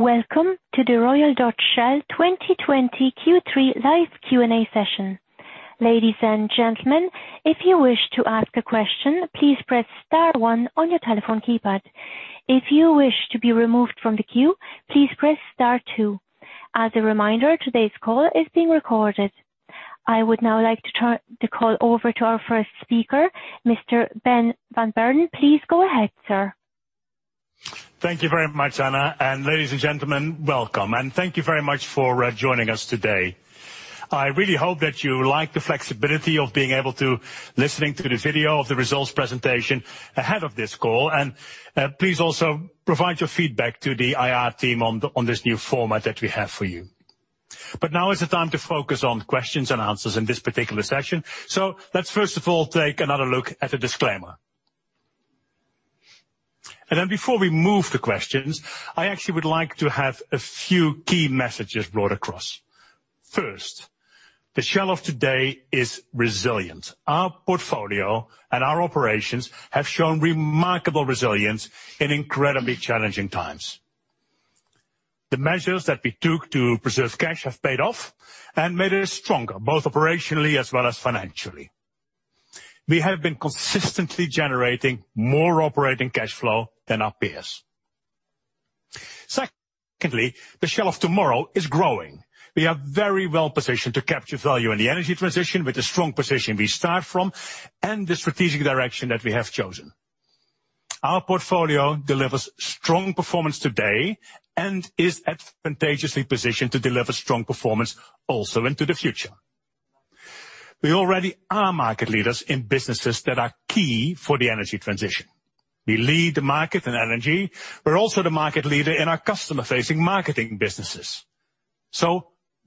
Welcome to the Royal Dutch Shell 2020 Q3 Live Q&A Session. Ladies and gentlemen, if you wish to ask a question, please press star one on your telephone keypad. If you wish to remove from the queue, please press star two. As a reminder today's call is being recorded. I would now like to turn the call over to our first speaker, Mr. Ben van Beurden. Please go ahead, sir. Thank you very much, Anna. Ladies and gentlemen, welcome, and thank you very much for joining us today. I really hope that you like the flexibility of being able to listen to the video of the results presentation ahead of this call. Please also provide your feedback to the IR team on this new format that we have for you. Now is the time to focus on questions and answers in this particular session. Let's first of all take another look at the disclaimer. Before we move to questions, I actually would like to have a few key messages brought across. First, the Shell of today is resilient. Our portfolio and our operations have shown remarkable resilience in incredibly challenging times. The measures that we took to preserve cash have paid off and made us stronger, both operationally as well as financially. We have been consistently generating more operating cash flow than our peers. The Shell of tomorrow is growing. We are very well positioned to capture value in the energy transition with the strong position we start from and the strategic direction that we have chosen. Our portfolio delivers strong performance today and is advantageously positioned to deliver strong performance also into the future. We already are market leaders in businesses that are key for the energy transition. We lead the market in energy. We're also the market leader in our customer-facing marketing businesses.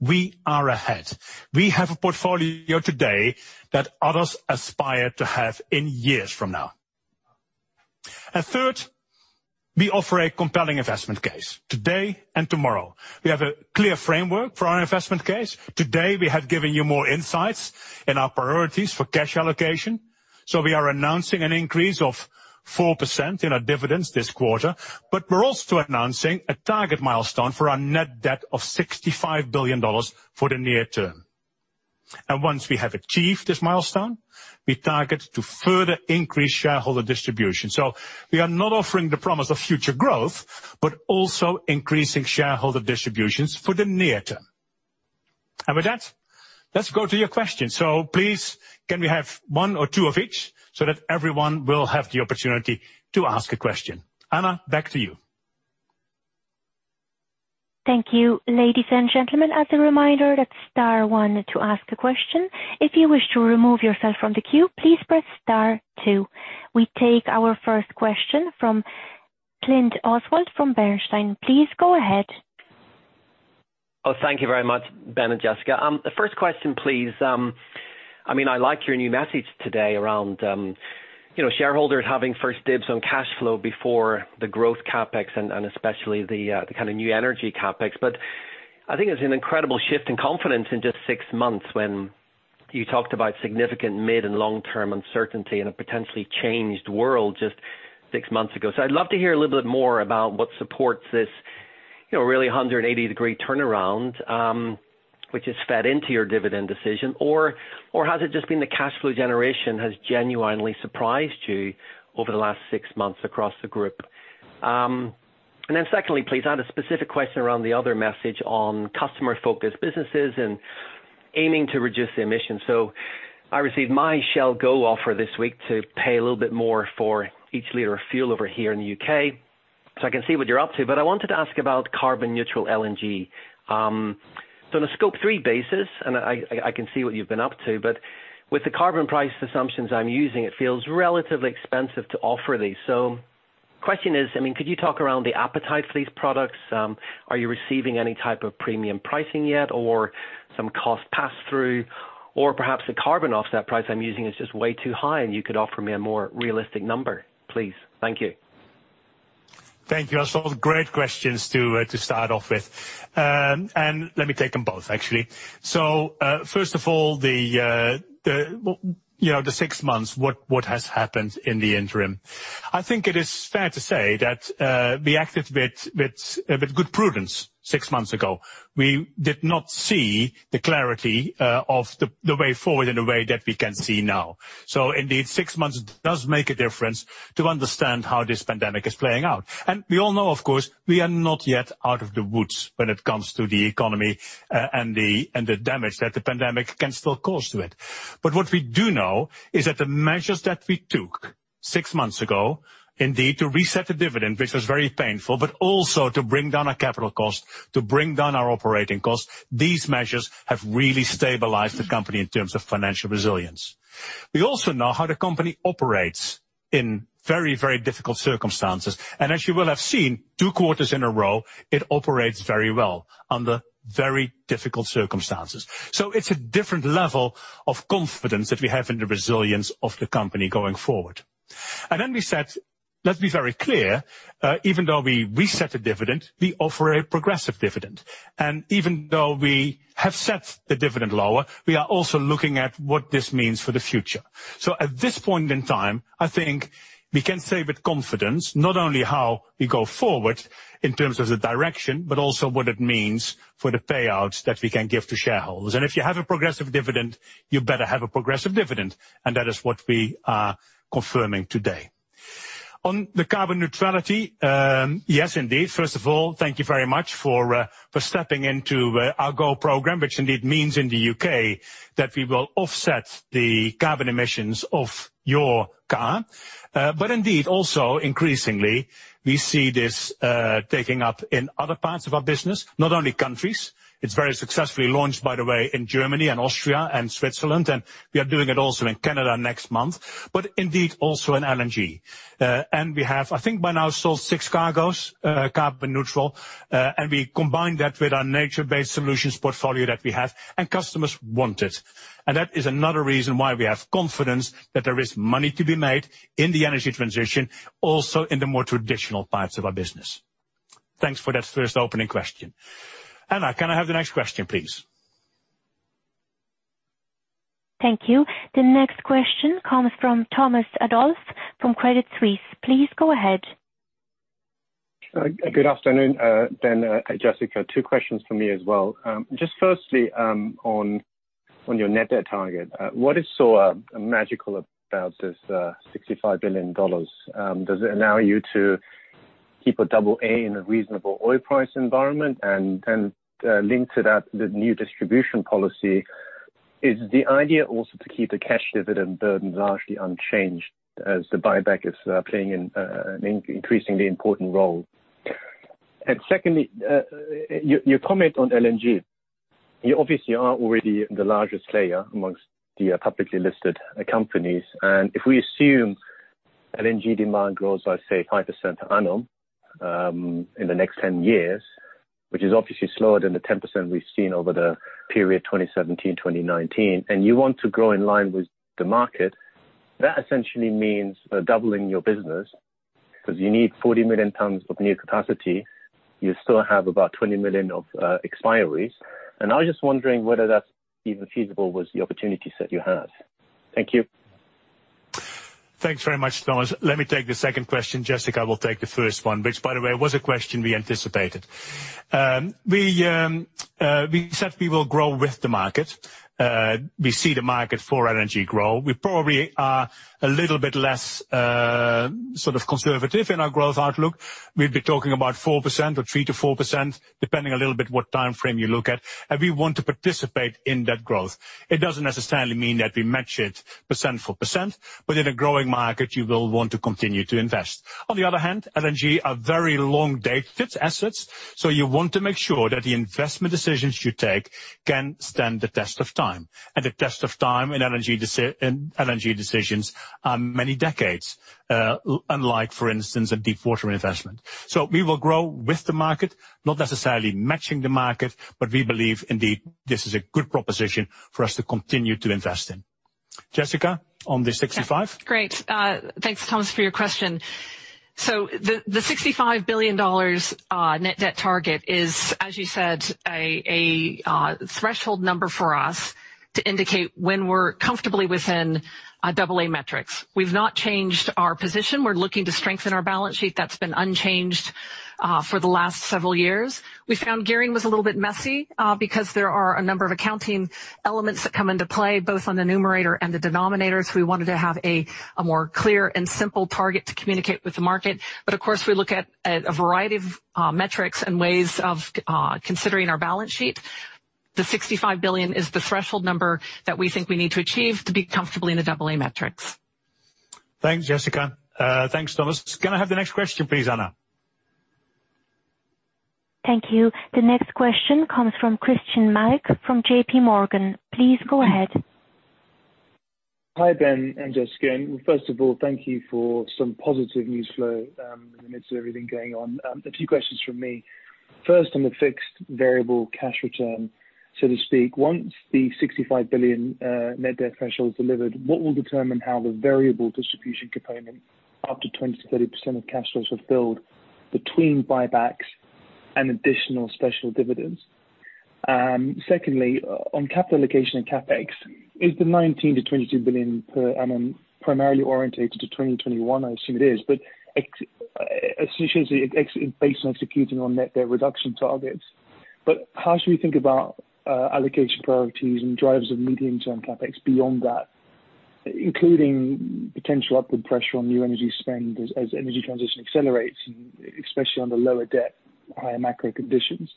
We are ahead. We have a portfolio today that others aspire to have in years from now. Third, we offer a compelling investment case today and tomorrow. We have a clear framework for our investment case. Today, we have given you more insights in our priorities for cash allocation. We are announcing an increase of 4% in our dividends this quarter, but we're also announcing a target milestone for our net debt of $65 billion for the near term. Once we have achieved this milestone, we target to further increase shareholder distribution. We are not offering the promise of future growth, but also increasing shareholder distributions for the near term. With that, let's go to your questions. Please, can we have one or two of each so that everyone will have the opportunity to ask a question. Anna, back to you. Thank you, ladies and gentlemen. As a reminder, that's star one to ask a question. If you wish to remove yourself from the queue, please press star two. We take our first question from Clint Oswald from Bernstein. Please go ahead. Oh, thank you very much, Ben and Jessica. The first question, please. I like your new message today around shareholders having first dibs on cash flow before the growth CapEx and especially the kind of new energy CapEx. I think it's an incredible shift in confidence in just six months when you talked about significant mid and long-term uncertainty in a potentially changed world just six months ago. I'd love to hear a little bit more about what supports this really 180-degree turnaround which has fed into your dividend decision. Has it just been the cash flow generation has genuinely surprised you over the last six months across the group? Secondly, please, I had a specific question around the other message on customer-focused businesses and aiming to reduce the emissions. I received my Shell Go+ offer this week to pay a little bit more for each liter of fuel over here in the U.K. I can see what you're up to, but I wanted to ask about carbon neutral LNG. On a Scope 3 basis, and I can see what you've been up to, but with the carbon price assumptions I'm using, it feels relatively expensive to offer these. Question is, could you talk around the appetite for these products? Are you receiving any type of premium pricing yet or some cost pass-through or perhaps the carbon offset price I'm using is just way too high and you could offer me a more realistic number, please? Thank you. Thank you, Oswald. Great questions to start off with. Let me take them both, actually. First of all, the six months, what has happened in the interim? I think it is fair to say that we acted with good prudence six months ago. We did not see the clarity of the way forward in the way that we can see now. Indeed, six months does make a difference to understand how this pandemic is playing out. We all know, of course, we are not yet out of the woods when it comes to the economy and the damage that the pandemic can still cause to it. What we do know is that the measures that we took six months ago, indeed, to reset the dividend, which was very painful, but also to bring down our capital cost, to bring down our operating cost, these measures have really stabilized the company in terms of financial resilience. We also know how the company operates in very difficult circumstances. As you will have seen, two quarters in a row, it operates very well under very difficult circumstances. It's a different level of confidence that we have in the resilience of the company going forward. Then we said, let's be very clear, even though we reset a dividend, we offer a progressive dividend. Even though we have set the dividend lower, we are also looking at what this means for the future. At this point in time, we can say with confidence, not only how we go forward in terms of the direction, but also what it means for the payouts that we can give to shareholders. If you have a progressive dividend, you better have a progressive dividend, and that is what we are confirming today. On the carbon neutrality, yes indeed. First of all, thank you very much for stepping into our Go+ program, which indeed means in the U.K. that we will offset the carbon emissions of your car. Indeed, also increasingly, we see this taking up in other parts of our business, not only countries. It's very successfully launched, by the way, in Germany and Austria and Switzerland, and we are doing it also in Canada next month. Indeed, also in LNG. We have, I think by now sold six cargos carbon neutral, and we combine that with our nature-based solutions portfolio that we have, and customers want it. That is another reason why we have confidence that there is money to be made in the energy transition, also in the more traditional parts of our business. Thanks for that first opening question. Anna, can I have the next question, please? Thank you. The next question comes from Thomas Adolff from Credit Suisse. Please go ahead. Good afternoon, Ben and Jessica. Two questions from me as well. Just firstly, on your net debt target, what is so magical about this $65 billion? Does it allow you to keep a double A in a reasonable oil price environment? Linked to that, the new distribution policy, is the idea also to keep the cash dividend burdens largely unchanged as the buyback is playing an increasingly important role? Secondly, your comment on LNG. You obviously are already the largest player amongst the publicly listed companies, and if we assume LNG demand grows, let's say, 5% annual in the next 10 years, which is obviously slower than the 10% we've seen over the period 2017 to 2019, and you want to grow in line with the market, that essentially means doubling your business because you need 40 million tons of new capacity. You still have about $20 million of expiries. I was just wondering whether that's even feasible with the opportunities that you have. Thank you. Thanks very much, Thomas. Let me take the second question. Jessica will take the first one, which, by the way, was a question we anticipated. We said we will grow with the market. We see the market for LNG grow. We probably are a little bit less conservative in our growth outlook. We'd be talking about 4% or 3%-4%, depending a little bit what time frame you look at. We want to participate in that growth. It doesn't necessarily mean that we match it percent for percent, but in a growing market, you will want to continue to invest. On the other hand, LNG, a very long-dated assets, so you want to make sure that the investment decisions you take can stand the test of time. The test of time in LNG decisions are many decades, unlike, for instance, a deepwater investment. We will grow with the market, not necessarily matching the market, but we believe indeed, this is a good proposition for us to continue to invest in. Jessica, on the $65 billion. Great. Thanks, Thomas, for your question. The $65 billion net debt target is, as you said, a threshold number for us to indicate when we're comfortably within double A metrics. We've not changed our position. We're looking to strengthen our balance sheet. That's been unchanged for the last several years. We found gearing was a little bit messy because there are a number of accounting elements that come into play, both on the numerator and the denominators. We wanted to have a more clear and simple target to communicate with the market. Of course, we look at a variety of metrics and ways of considering our balance sheet. The $65 billion is the threshold number that we think we need to achieve to be comfortably in the AA metrics. Thanks, Jessica. Thanks, Thomas. Can I have the next question, please, Anna? Thank you. The next question comes from Christyan Malek from JP Morgan. Please go ahead. Hi, Ben and Jessica. First of all, thank you for some positive news flow in the midst of everything going on. A few questions from me. First, on the fixed variable cash return, so to speak, once the $65 billion net debt threshold is delivered, what will determine how the variable distribution component up to 20%-30% of cash flows fulfilled between buybacks and additional special dividends? Secondly, on capital allocation and CapEx, is the $19 billion-$22 billion per annum primarily orientated to 2021? I assume it is, essentially it's based on executing on net debt reduction targets. How should we think about allocation priorities and drivers of medium-term CapEx beyond that, including potential upward pressure on new energy spend as energy transition accelerates, especially under lower debt, higher macro conditions?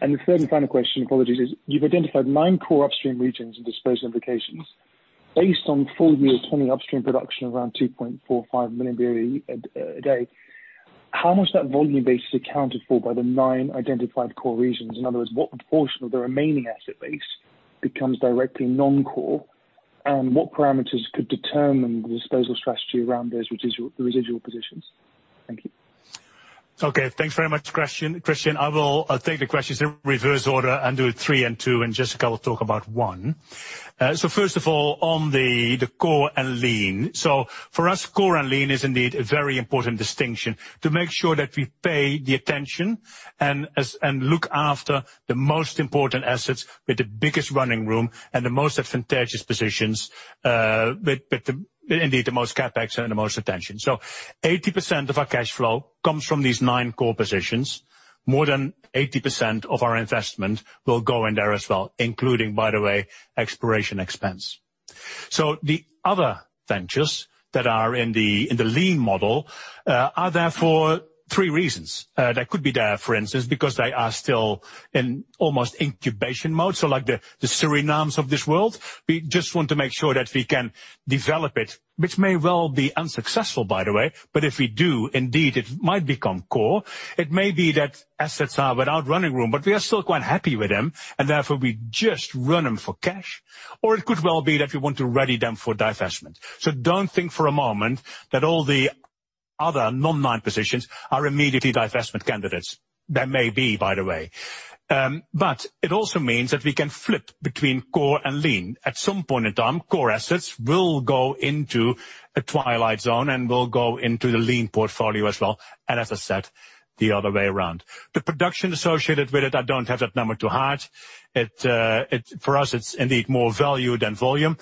The third and final question, apologies, is you've identified nine core upstream regions and disposal implications. Based on full year 2020 upstream production around 2.45 million BOE a day, how much of that volume base is accounted for by the nine identified core regions? In other words, what proportion of the remaining asset base becomes directly non-core, and what parameters could determine the disposal strategy around those residual positions? Thank you. Okay. Thanks very much, Christyan. I will take the questions in reverse order and do three and two, and Jessica will talk about one. First of all, on the core and lean. For us, core and lean is indeed a very important distinction to make sure that we pay attention and look after the most important assets with the biggest running room and the most advantageous positions with indeed the most CapEx and the most attention. 80% of our cash flow comes from these nine core positions. More than 80% of our investment will go in there as well, including, by the way, exploration expense. The other ventures that are in the lean model are there for three reasons. They could be there, for instance, because they are still in almost incubation mode. Like the Suriname of this world, we just want to make sure that we can develop it, which may well be unsuccessful, by the way. If we do, indeed, it might become core. It may be that assets are without running room, but we are still quite happy with them, and therefore we just run them for cash. It could well be that we want to ready them for divestment. Don't think for a moment that all the other non-line positions are immediately divestment candidates. They may be, by the way. It also means that we can flip between core and lean. At some point in time, core assets will go into a twilight zone and will go into the lean portfolio as well. As I said, the other way around. The production associated with it, I don't have that number to heart. For us, it's indeed more value than volume.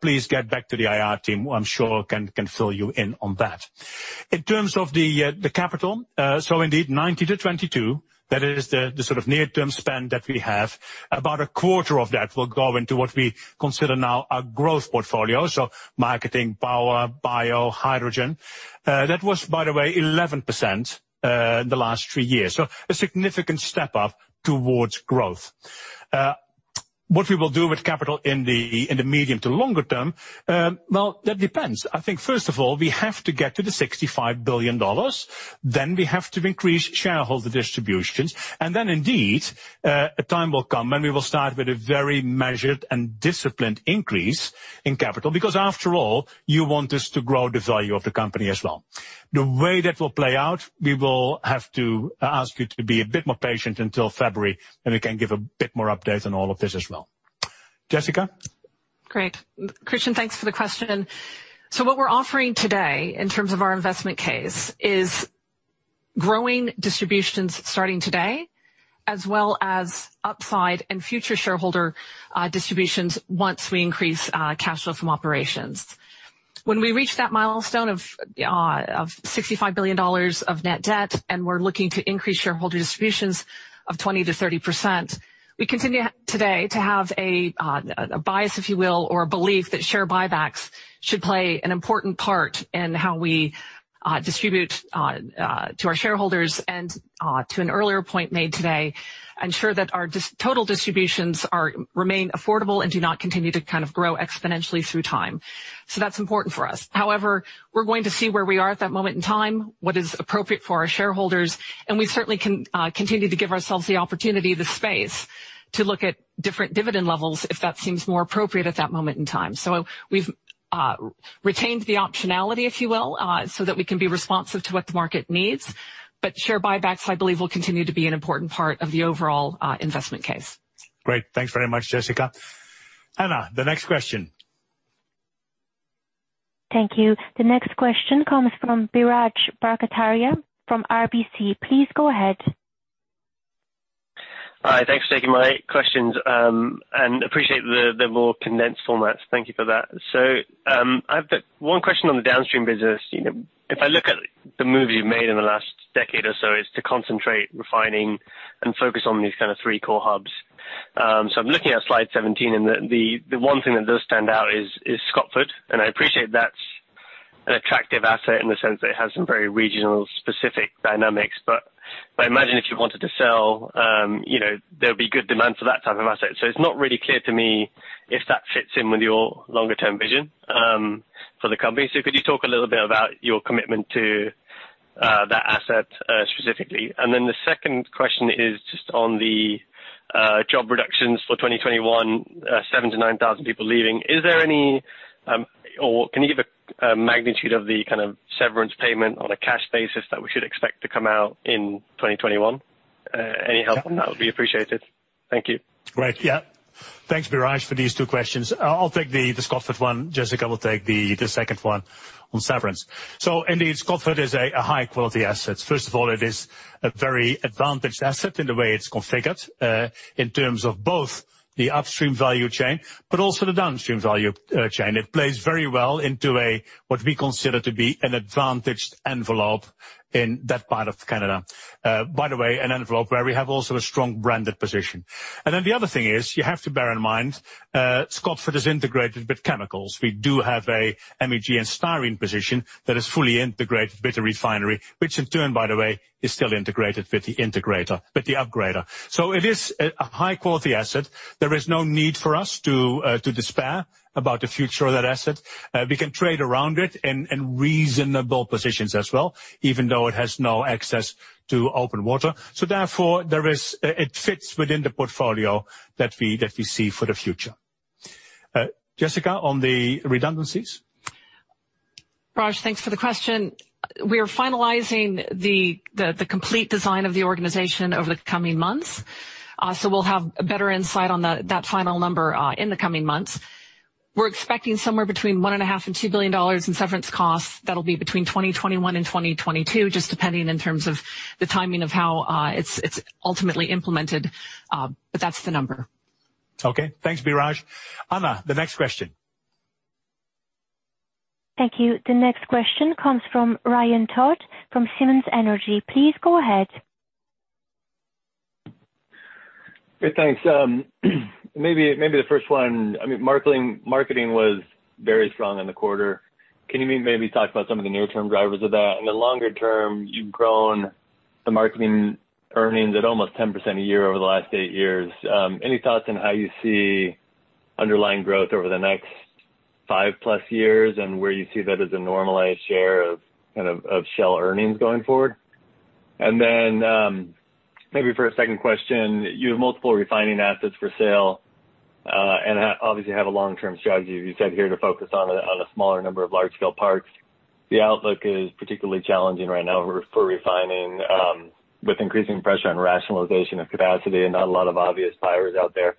Please get back to the IR team, who I'm sure can fill you in on that. In terms of the capital, indeed, $19 billion to $22 billion, that is the sort of near-term spend that we have. About a quarter of that will go into what we consider now our growth portfolio. Marketing, power, bio, hydrogen. That was, by the way, 11% in the last three years. A significant step up towards growth. What we will do with capital in the medium to longer term, well, that depends. I think, first of all, we have to get to the $65 billion, then we have to increase shareholder distributions. Then indeed, a time will come when we will start with a very measured and disciplined increase in capital. After all, you want us to grow the value of the company as well. The way that will play out, we will have to ask you to be a bit more patient until February, and we can give a bit more update on all of this as well. Jessica? Great. Christyan, thanks for the question. What we're offering today in terms of our investment case is growing distributions starting today, as well as upside and future shareholder distributions, once we increase cash flow from operations. When we reach that milestone of $65 billion of net debt, and we're looking to increase shareholder distributions of 20%-30%, we continue today to have a bias, if you will, or a belief that share buybacks should play an important part in how we distribute to our shareholders and, to an earlier point made today, ensure that our total distributions remain affordable and do not continue to grow exponentially through time. That's important for us. We're going to see where we are at that moment in time, what is appropriate for our shareholders, and we certainly can continue to give ourselves the opportunity, the space, to look at different dividend levels if that seems more appropriate at that moment in time. We've retained the optionality, if you will, so that we can be responsive to what the market needs. Share buybacks, I believe, will continue to be an important part of the overall investment case. Great. Thanks very much, Jessica. Anna, the next question. Thank you. The next question comes from Biraj Borkhataria from RBC. Please go ahead. Hi. Thanks for taking my questions. Appreciate the more condensed format. Thank you for that. I have one question on the downstream business. If I look at the moves you've made in the last decade or so, is to concentrate refining and focus on these kind of three core hubs. I'm looking at slide 17, and the one thing that does stand out is Scotford. I appreciate that's an attractive asset in the sense that it has some very regional specific dynamics. I imagine if you wanted to sell, there'll be good demand for that type of asset. It's not really clear to me if that fits in with your longer-term vision for the company. Could you talk a little bit about your commitment to that asset specifically? The second question is just on the job reductions for 2021, 7,000 to 9,000 people leaving. Can you give a magnitude of the severance payment on a cash basis that we should expect to come out in 2021? Any help on that would be appreciated. Thank you. Great. Thanks, Biraj, for these two questions. I'll take the Scotford one. Jessica will take the second one on severance. Indeed, Scotford is a high-quality asset. First of all, it is a very advantaged asset in the way it's configured, in terms of both the upstream value chain, but also the downstream value chain. It plays very well into what we consider to be an advantaged envelope in that part of Canada. By the way, an envelope where we have also a strong branded position. Then the other thing is, you have to bear in mind, Scotford is integrated with chemicals. We do have a MEG and styrene position that is fully integrated with the refinery, which in turn, by the way, is still integrated with the integrator, with the upgrader. It is a high-quality asset. There is no need for us to despair about the future of that asset. We can trade around it in reasonable positions as well, even though it has no access to open water. Therefore, it fits within the portfolio that we see for the future. Jessica, on the redundancies? Biraj, thanks for the question. We are finalizing the complete design of the organization over the coming months. We'll have a better insight on that final number in the coming months. We're expecting somewhere between $1.5 billion and $2 billion in severance costs. That'll be between 2021 and 2022, just depending in terms of the timing of how it's ultimately implemented. That's the number. Okay. Thanks, Biraj. Anna, the next question. Thank you. The next question comes from Ryan Todd from Simmons Energy. Please go ahead. Great, thanks. Maybe the first one. Marketing was very strong in the quarter. Can you maybe talk about some of the near-term drivers of that? In the longer term, you've grown the marketing earnings at almost 10% a year over the last eight years. Any thoughts on how you see underlying growth over the next five-plus years, and where you see that as a normalized share of Shell earnings going forward? Maybe for a second question, you have multiple refining assets for sale, and obviously have a long-term strategy, you said, here to focus on a smaller number of large-scale parks. The outlook is particularly challenging right now for refining with increasing pressure on rationalization of capacity and not a lot of obvious buyers out there.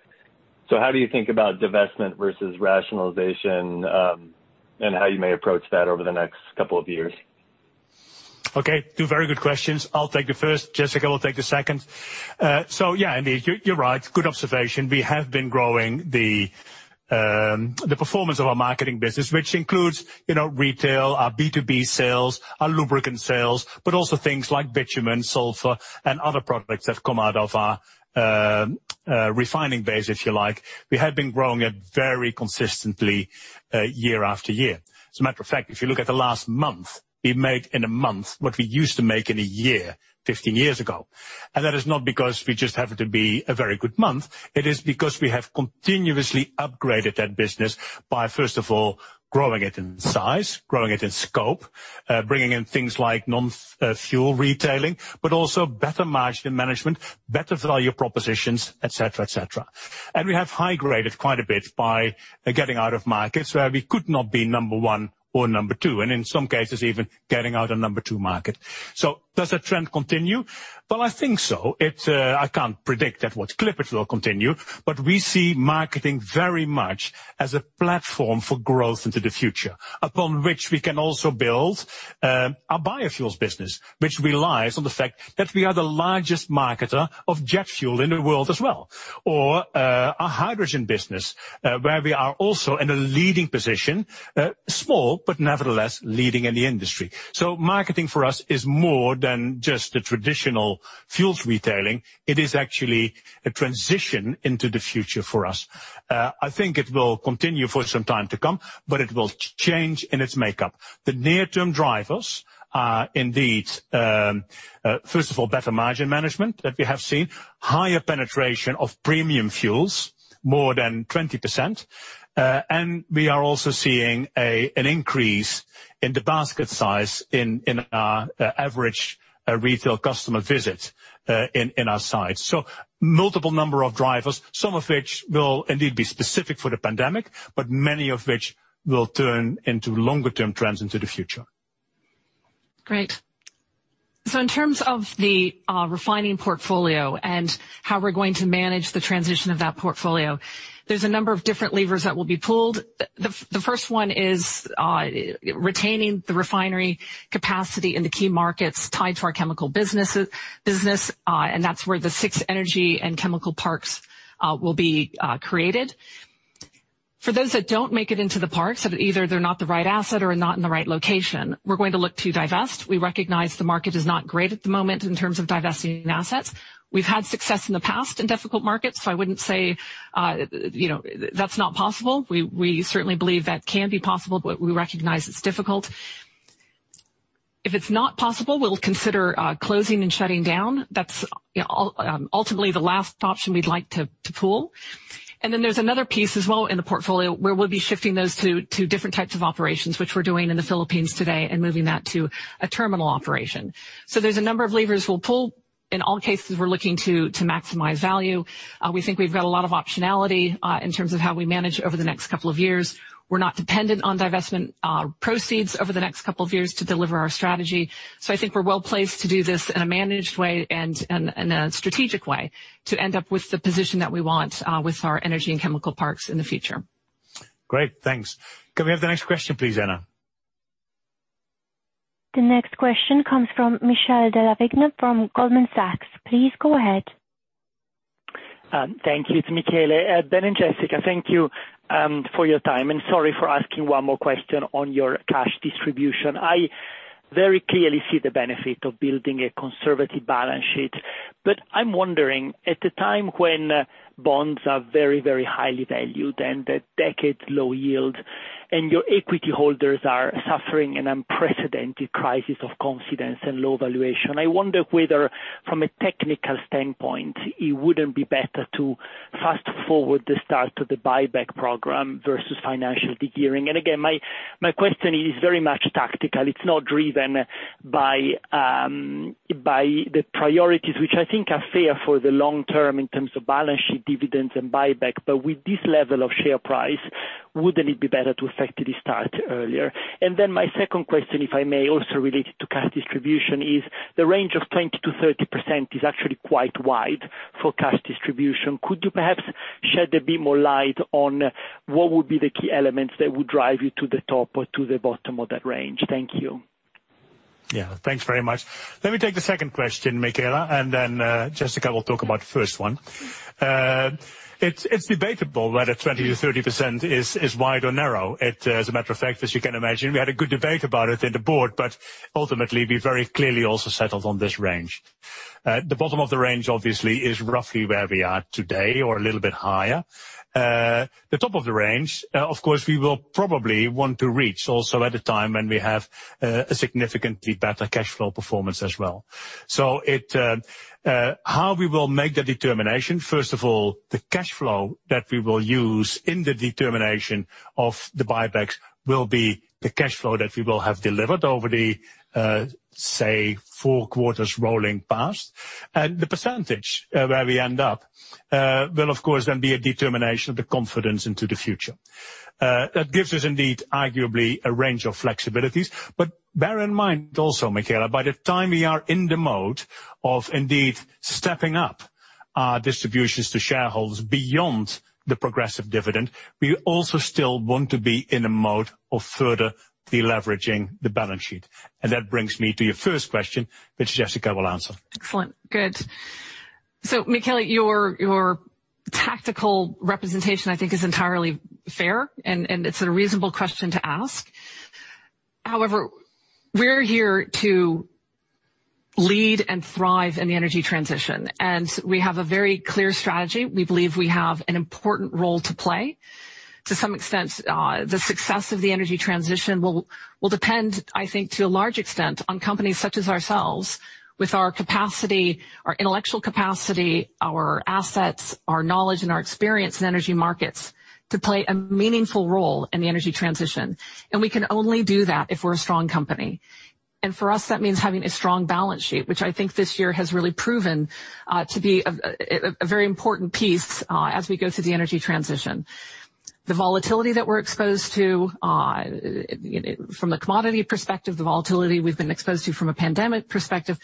How do you think about divestment versus rationalization, and how you may approach that over the next couple of years? Okay, two very good questions. I will take the first. Jessica will take the second. Yeah, Andy, you are right. Good observation. We have been growing the performance of our marketing business, which includes retail, our B2B sales, our lubricant sales, but also things like bitumen, sulfur, and other products that have come out of our refining base, if you like. We have been growing it very consistently year after year. As a matter of fact, if you look at the last month, we made in a month what we used to make in a year 15 years ago. That is not because we just happened to be a very good month. It is because we have continuously upgraded that business by, first of all, growing it in size, growing it in scope, bringing in things like non-fuel retailing, but also better margin management, better value propositions, et cetera. We have high-graded quite a bit by getting out of markets where we could not be number one or number two, and in some cases even getting out a number two market. Does that trend continue? Well, I think so. I can't predict at what clip it will continue, but we see marketing very much as a platform for growth into the future, upon which we can also build our biofuels business, which relies on the fact that we are the largest marketer of jet fuel in the world as well. Our hydrogen business, where we are also in a leading position, small, but nevertheless leading in the industry. Marketing for us is more than just the traditional fuels retailing. It is actually a transition into the future for us. I think it will continue for some time to come, but it will change in its makeup. The near-term drivers are indeed, first of all, better margin management that we have seen, higher penetration of premium fuels, more than 20%, and we are also seeing an increase in the basket size in our average retail customer visit in our sites. Multiple number of drivers, some of which will indeed be specific for the pandemic, but many of which will turn into longer-term trends into the future. Great. In terms of the refining portfolio and how we're going to manage the transition of that portfolio, there's a number of different levers that will be pulled. The first one is retaining the refinery capacity in the key markets tied to our chemical business. That's where the six energy and chemical parks will be created. For those that don't make it into the parks, either they're not the right asset or not in the right location, we're going to look to divest. We recognize the market is not great at the moment in terms of divesting assets. We've had success in the past in difficult markets, so I wouldn't say that's not possible. We certainly believe that can be possible, but we recognize it's difficult. If it's not possible, we'll consider closing and shutting down. That's ultimately the last option we'd like to pull. There's another piece as well in the portfolio where we'll be shifting those two different types of operations, which we're doing in the Philippines today, and moving that to a terminal operation. There's a number of levers we'll pull. In all cases, we're looking to maximize value. We think we've got a lot of optionality in terms of how we manage over the next couple of years. We're not dependent on divestment proceeds over the next couple of years to deliver our strategy. I think we're well-placed to do this in a managed way and in a strategic way to end up with the position that we want with our energy and chemical parks in the future. Great. Thanks. Can we have the next question please, Anna? The next question comes from Michele Della Vigna from Goldman Sachs. Please go ahead. Thank you. It's Michele. Ben and Jessica, thank you for your time, and sorry for asking one more question on your cash distribution. I'm wondering at the time when bonds are very, very highly valued and the decades-low yield and your equity holders are suffering an unprecedented crisis of confidence and low valuation, I wonder whether from a technical standpoint, it wouldn't be better to fast-forward the start of the buyback program versus financial de-gearing. Again, my question is very much tactical. It's not driven by the priorities, which I think are fair for the long term in terms of balance sheet dividends and buyback. With this level of share price, wouldn't it be better to effectively start earlier? My second question, if I may, also related to cash distribution, is the range of 20%-30% is actually quite wide for cash distribution. Could you perhaps shed a bit more light on what would be the key elements that would drive you to the top or to the bottom of that range? Thank you. Yeah. Thanks very much. Let me take the second question, Michele, and then Jessica will talk about the first one. It's debatable whether 20%-30% is wide or narrow. As a matter of fact, as you can imagine, we had a good debate about it in the board, ultimately, we very clearly also settled on this range. The bottom of the range obviously is roughly where we are today or a little bit higher. The top of the range, of course, we will probably want to reach also at a time when we have a significantly better cash flow performance as well. How we will make the determination, first of all, the cash flow that we will use in the determination of the buybacks will be the cash flow that we will have delivered over the, say, four quarters rolling past. The percentage where we end up will, of course, then be a determination of the confidence into the future. That gives us indeed arguably a range of flexibilities. Bear in mind also, Michele, by the time we are in the mode of indeed stepping up our distributions to shareholders beyond the progressive dividend, we also still want to be in a mode of further deleveraging the balance sheet. That brings me to your first question, which Jessica will answer. Excellent. Good. Michele, your tactical representation, I think, is entirely fair and it's a reasonable question to ask. We're here to lead and thrive in the energy transition, and we have a very clear strategy. We believe we have an important role to play. To some extent, the success of the energy transition will depend, I think, to a large extent on companies such as ourselves with our capacity, our intellectual capacity, our assets, our knowledge and our experience in energy markets to play a meaningful role in the energy transition. We can only do that if we're a strong company. For us, that means having a strong balance sheet, which I think this year has really proven to be a very important piece as we go through the energy transition. The volatility that we're exposed to from the commodity perspective, the volatility we've been exposed to from a pandemic perspective,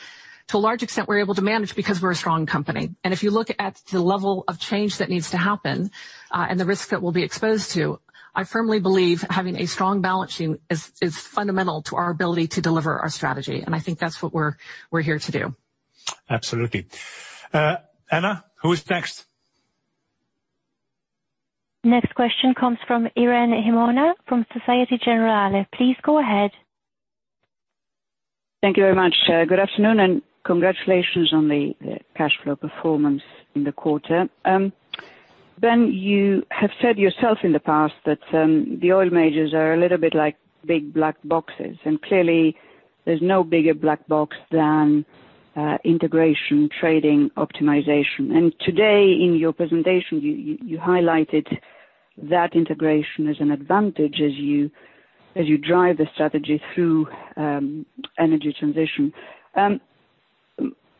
to a large extent, we're able to manage because we're a strong company. If you look at the level of change that needs to happen, and the risk that we'll be exposed to, I firmly believe having a strong balance sheet is fundamental to our ability to deliver our strategy. I think that's what we're here to do. Absolutely. Anna, who is next? Next question comes from Irene Himona from Societe Generale. Please go ahead. Thank you very much. Good afternoon. Congratulations on the cash flow performance in the quarter. Ben, you have said yourself in the past that the oil majors are a little bit like big black boxes. Clearly there's no bigger black box than integration trading optimization. Today in your presentation, you highlighted that integration as an advantage as you drive the strategy through energy transition.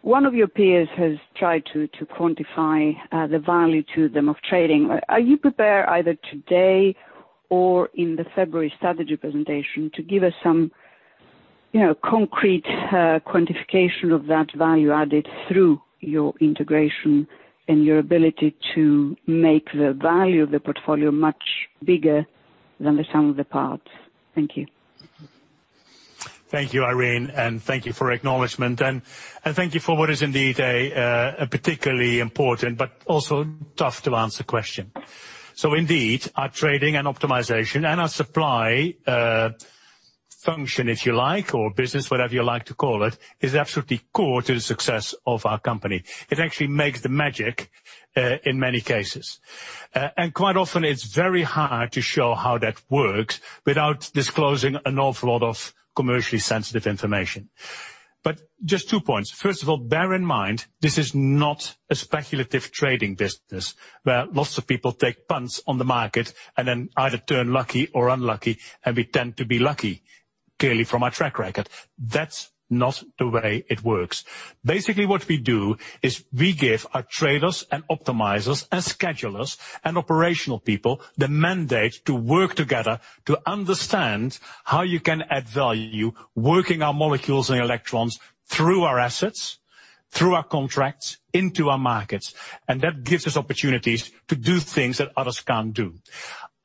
One of your peers has tried to quantify the value to them of trading. Are you prepared either today or in the February strategy presentation to give us some concrete quantification of that value added through your integration and your ability to make the value of the portfolio much bigger than the sum of the parts? Thank you. Thank you, Irene, and thank you for acknowledgment, and thank you for what is indeed a particularly important but also tough to answer question. Indeed, our trading and optimization and our supply function, if you like, or business, whatever you like to call it, is absolutely core to the success of our company. It actually makes the magic in many cases. Quite often it's very hard to show how that works without disclosing an awful lot of commercially sensitive information. Just two points. First of all, bear in mind, this is not a speculative trading business where lots of people take punts on the market and then either turn lucky or unlucky, and we tend to be lucky, clearly from our track record. That's not the way it works. Basically what we do is we give our traders and optimizers and schedulers and operational people the mandate to work together to understand how you can add value working our molecules and electrons through our assets, through our contracts into our markets. That gives us opportunities to do things that others can't do.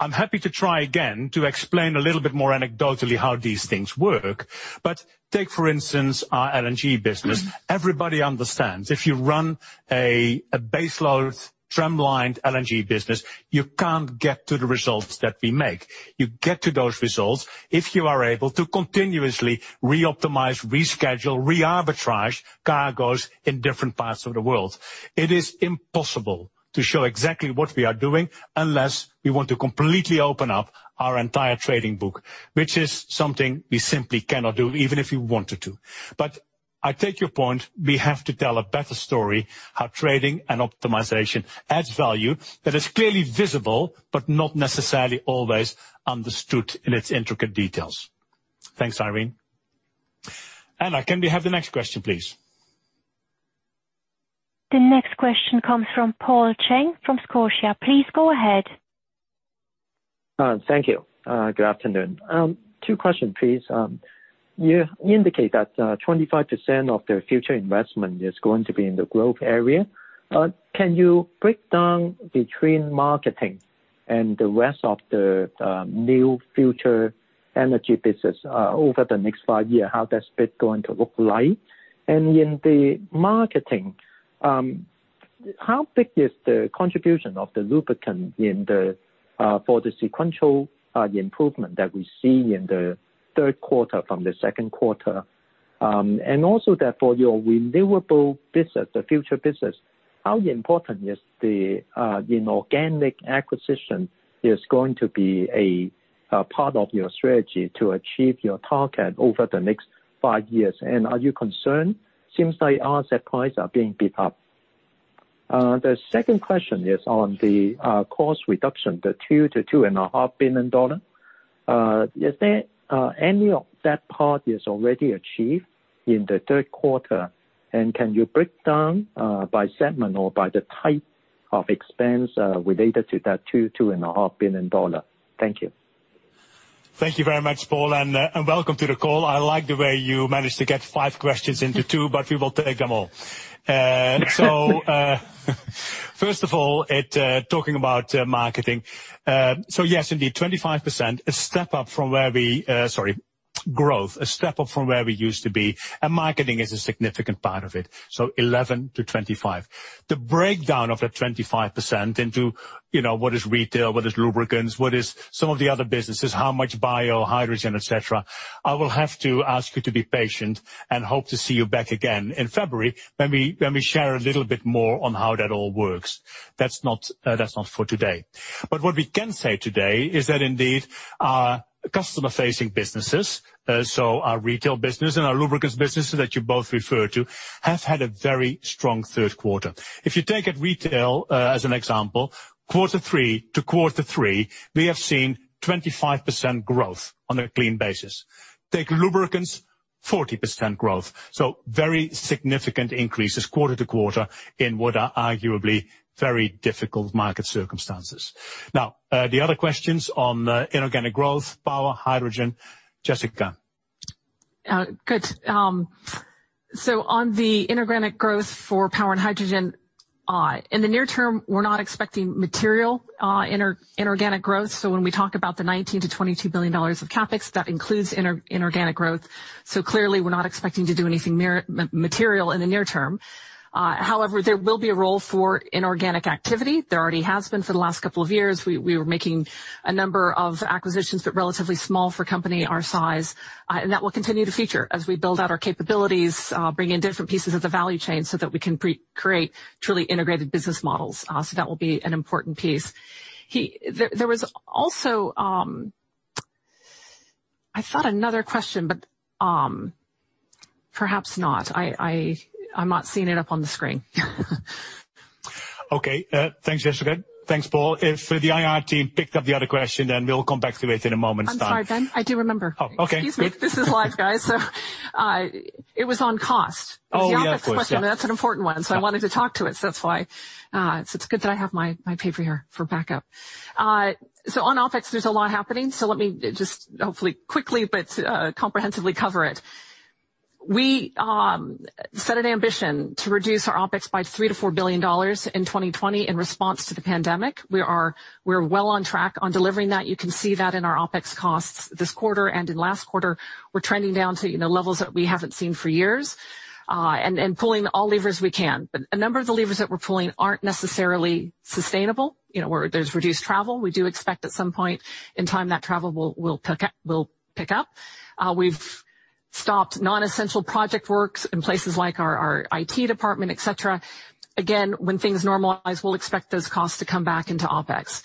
I'm happy to try again to explain a little bit more anecdotally how these things work. Take, for instance, our LNG business. Everybody understands if you run a baseload tramline LNG business, you can't get to the results that we make. You get to those results if you are able to continuously reoptimize, reschedule, re-arbitrage cargoes in different parts of the world. It is impossible to show exactly what we are doing unless we want to completely open up our entire trading book, which is something we simply cannot do even if we wanted to. I take your point. We have to tell a better story how trading and optimization adds value that is clearly visible but not necessarily always understood in its intricate details. Thanks, Irene. Anna, can we have the next question, please? The next question comes from Paul Cheng from Scotia. Please go ahead. Thank you. Good afternoon. Two questions please. You indicate that 25% of the future investment is going to be in the growth area. Can you break down between marketing and the rest of the new future energy business over the next five years? How that's going to look like? In the marketing, how big is the contribution of the lubricant for the sequential improvement that we see in the third quarter from the second quarter? Also, therefore, your renewable business, the future business, how important is the inorganic acquisition going to be a part of your strategy to achieve your target over the next five years? Are you concerned, since the asset prices are being bid up? The second question is on the cost reduction, the $2 billion to $2.5 billion. Is any of that part already achieved in the third quarter? Can you break down by segment or by the type of expense related to that $2 billion-$2.5 billion? Thank you. Thank you very much, Paul, and welcome to the call. I like the way you managed to get five questions into two, but we will take them all. First of all, talking about marketing. Yes, indeed, 25%, growth, a step up from where we used to be, and marketing is a significant part of it. 11%-25%. The breakdown of that 25% into what is retail, what is lubricants, what is some of the other businesses, how much bio, hydrogen, et cetera, I will have to ask you to be patient and hope to see you back again in February when we share a little bit more on how that all works. That's not for today. What we can say today is that indeed, our customer-facing businesses, so our retail business and our lubricants business that you both referred to, have had a very strong third quarter. If you take at retail as an example, quarter three to quarter three, we have seen 25% growth on a clean basis. Take lubricants, 40% growth. Very significant increases quarter to quarter in what are arguably very difficult market circumstances. The other questions on inorganic growth, power, hydrogen. Jessica. Good. On the inorganic growth for power and hydrogen, in the near term, we're not expecting material inorganic growth. When we talk about the $19 billion-$22 billion of CapEx, that includes inorganic growth. Clearly, we're not expecting to do anything material in the near term. However, there will be a role for inorganic activity. There already has been for the last couple of years. We were making a number of acquisitions, but relatively small for a company our size. That will continue to feature as we build out our capabilities, bring in different pieces of the value chain so that we can create truly integrated business models. That will be an important piece. There was also, I thought another question, but perhaps not. I'm not seeing it up on the screen. Okay. Thanks, Jessica. Thanks, Paul. If the IR team picked up the other question, then we'll come back to it in a moment's time. I'm sorry, Ben, I do remember. Oh, okay. Excuse me. This is live, guys. It was on cost. Yeah, of course. Yeah. It was the OpEx question, but that's an important one, so I wanted to talk to it, so that's why. It's good that I have my paper here for backup. On OpEx, there's a lot happening, so let me just hopefully quickly but comprehensively cover it. We set an ambition to reduce our OpEx by $3 billion-$4 billion in 2020 in response to the pandemic. We're well on track on delivering that. You can see that in our OpEx costs this quarter and in last quarter. We're trending down to levels that we haven't seen for years, and pulling all levers we can. A number of the levers that we're pulling aren't necessarily sustainable. Where there's reduced travel, we do expect at some point in time that travel will pick up. We've stopped non-essential project works in places like our IT department, et cetera. Again, when things normalize, we'll expect those costs to come back into OpEx.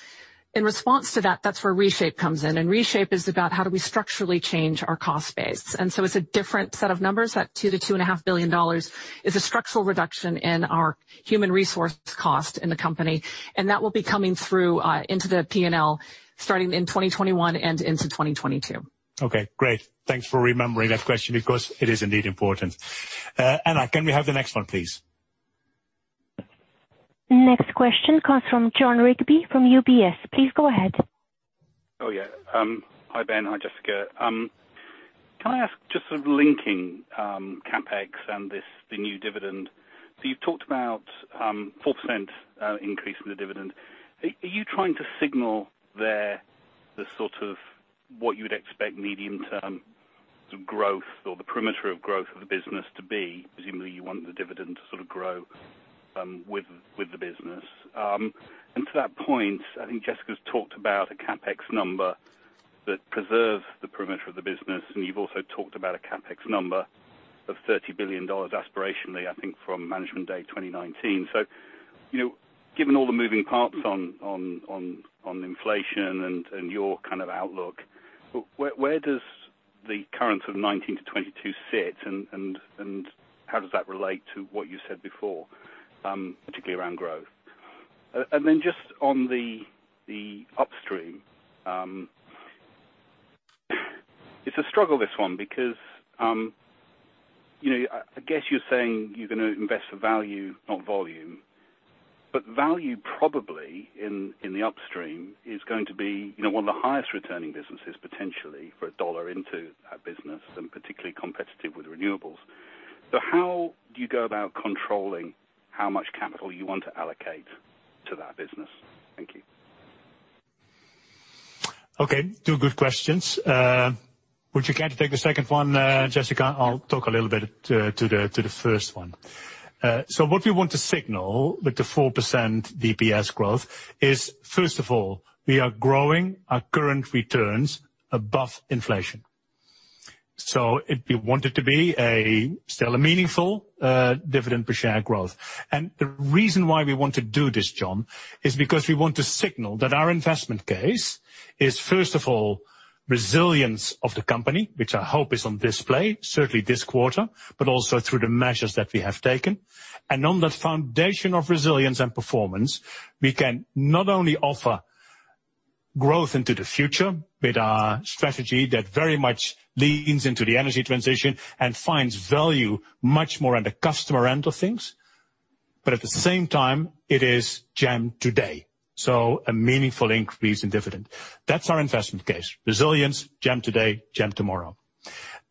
In response to that's where Reshape comes in, and Reshape is about how do we structurally change our cost base. It's a different set of numbers. That $2 billion-$2.5 billion is a structural reduction in our human resource cost in the company, and that will be coming through into the P&L starting in 2021 and into 2022. Okay, great. Thanks for remembering that question because it is indeed important. Anna, can we have the next one, please? Next question comes from Jon Rigby from UBS. Please go ahead. Yeah. Hi, Ben. Hi, Jessica. Can I ask just linking CapEx and the new dividend? You've talked about 4% increase in the dividend. Are you trying to signal there the sort of what you would expect medium-term growth or the perimeter of growth of the business to be? Presumably, you want the dividend to grow with the business. To that point, I think Jessica's talked about a CapEx number that preserves the perimeter of the business, and you've also talked about a CapEx number of $30 billion aspirationally, I think, from Management Day 2019. Given all the moving parts on inflation and your outlook, where does the current sort of $19 billion-$22 billion sit, and how does that relate to what you said before, particularly around growth? Just on the upstream, it's a struggle, this one, because I guess you're saying you're going to invest for value, not volume. Value probably in the upstream is going to be one of the highest returning businesses potentially for a dollar into that business, and particularly competitive with renewables. How do you go about controlling how much capital you want to allocate to that business? Okay, two good questions. Would you care to take the second one, Jessica? I'll talk a little bit to the first one. What we want to signal with the 4% DPS growth is, first of all, we are growing our current returns above inflation. We want it to be still a meaningful dividend per share growth. The reason why we want to do this, Jon, is because we want to signal that our investment case is, first of all, resilience of the company, which I hope is on display, certainly this quarter, but also through the measures that we have taken. On that foundation of resilience and performance, we can not only offer growth into the future with our strategy that very much leans into the energy transition and finds value much more at the customer end of things, but at the same time, it is GEM today. A meaningful increase in dividend. That's our investment case. Resilience, GEM today, GEM tomorrow.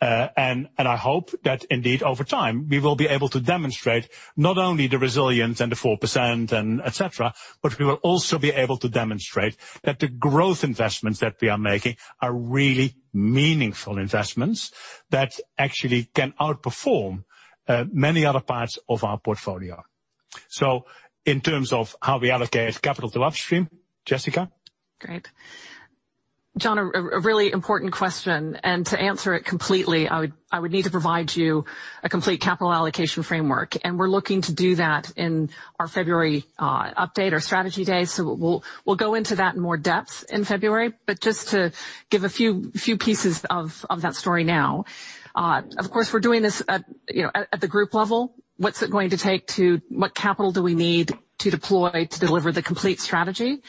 I hope that indeed, over time, we will be able to demonstrate not only the resilience and the 4% and et cetera, but we will also be able to demonstrate that the growth investments that we are making are really meaningful investments that actually can outperform many other parts of our portfolio. In terms of how we allocate capital to upstream, Jessica? Great. Jon, a really important question. To answer it completely, I would need to provide you a complete capital allocation framework. We're looking to do that in our February update, our Strategy Day. We'll go into that in more depth in February. Just to give a few pieces of that story now. Of course, we're doing this at the group level. What capital do we need to deploy to deliver the complete strategy?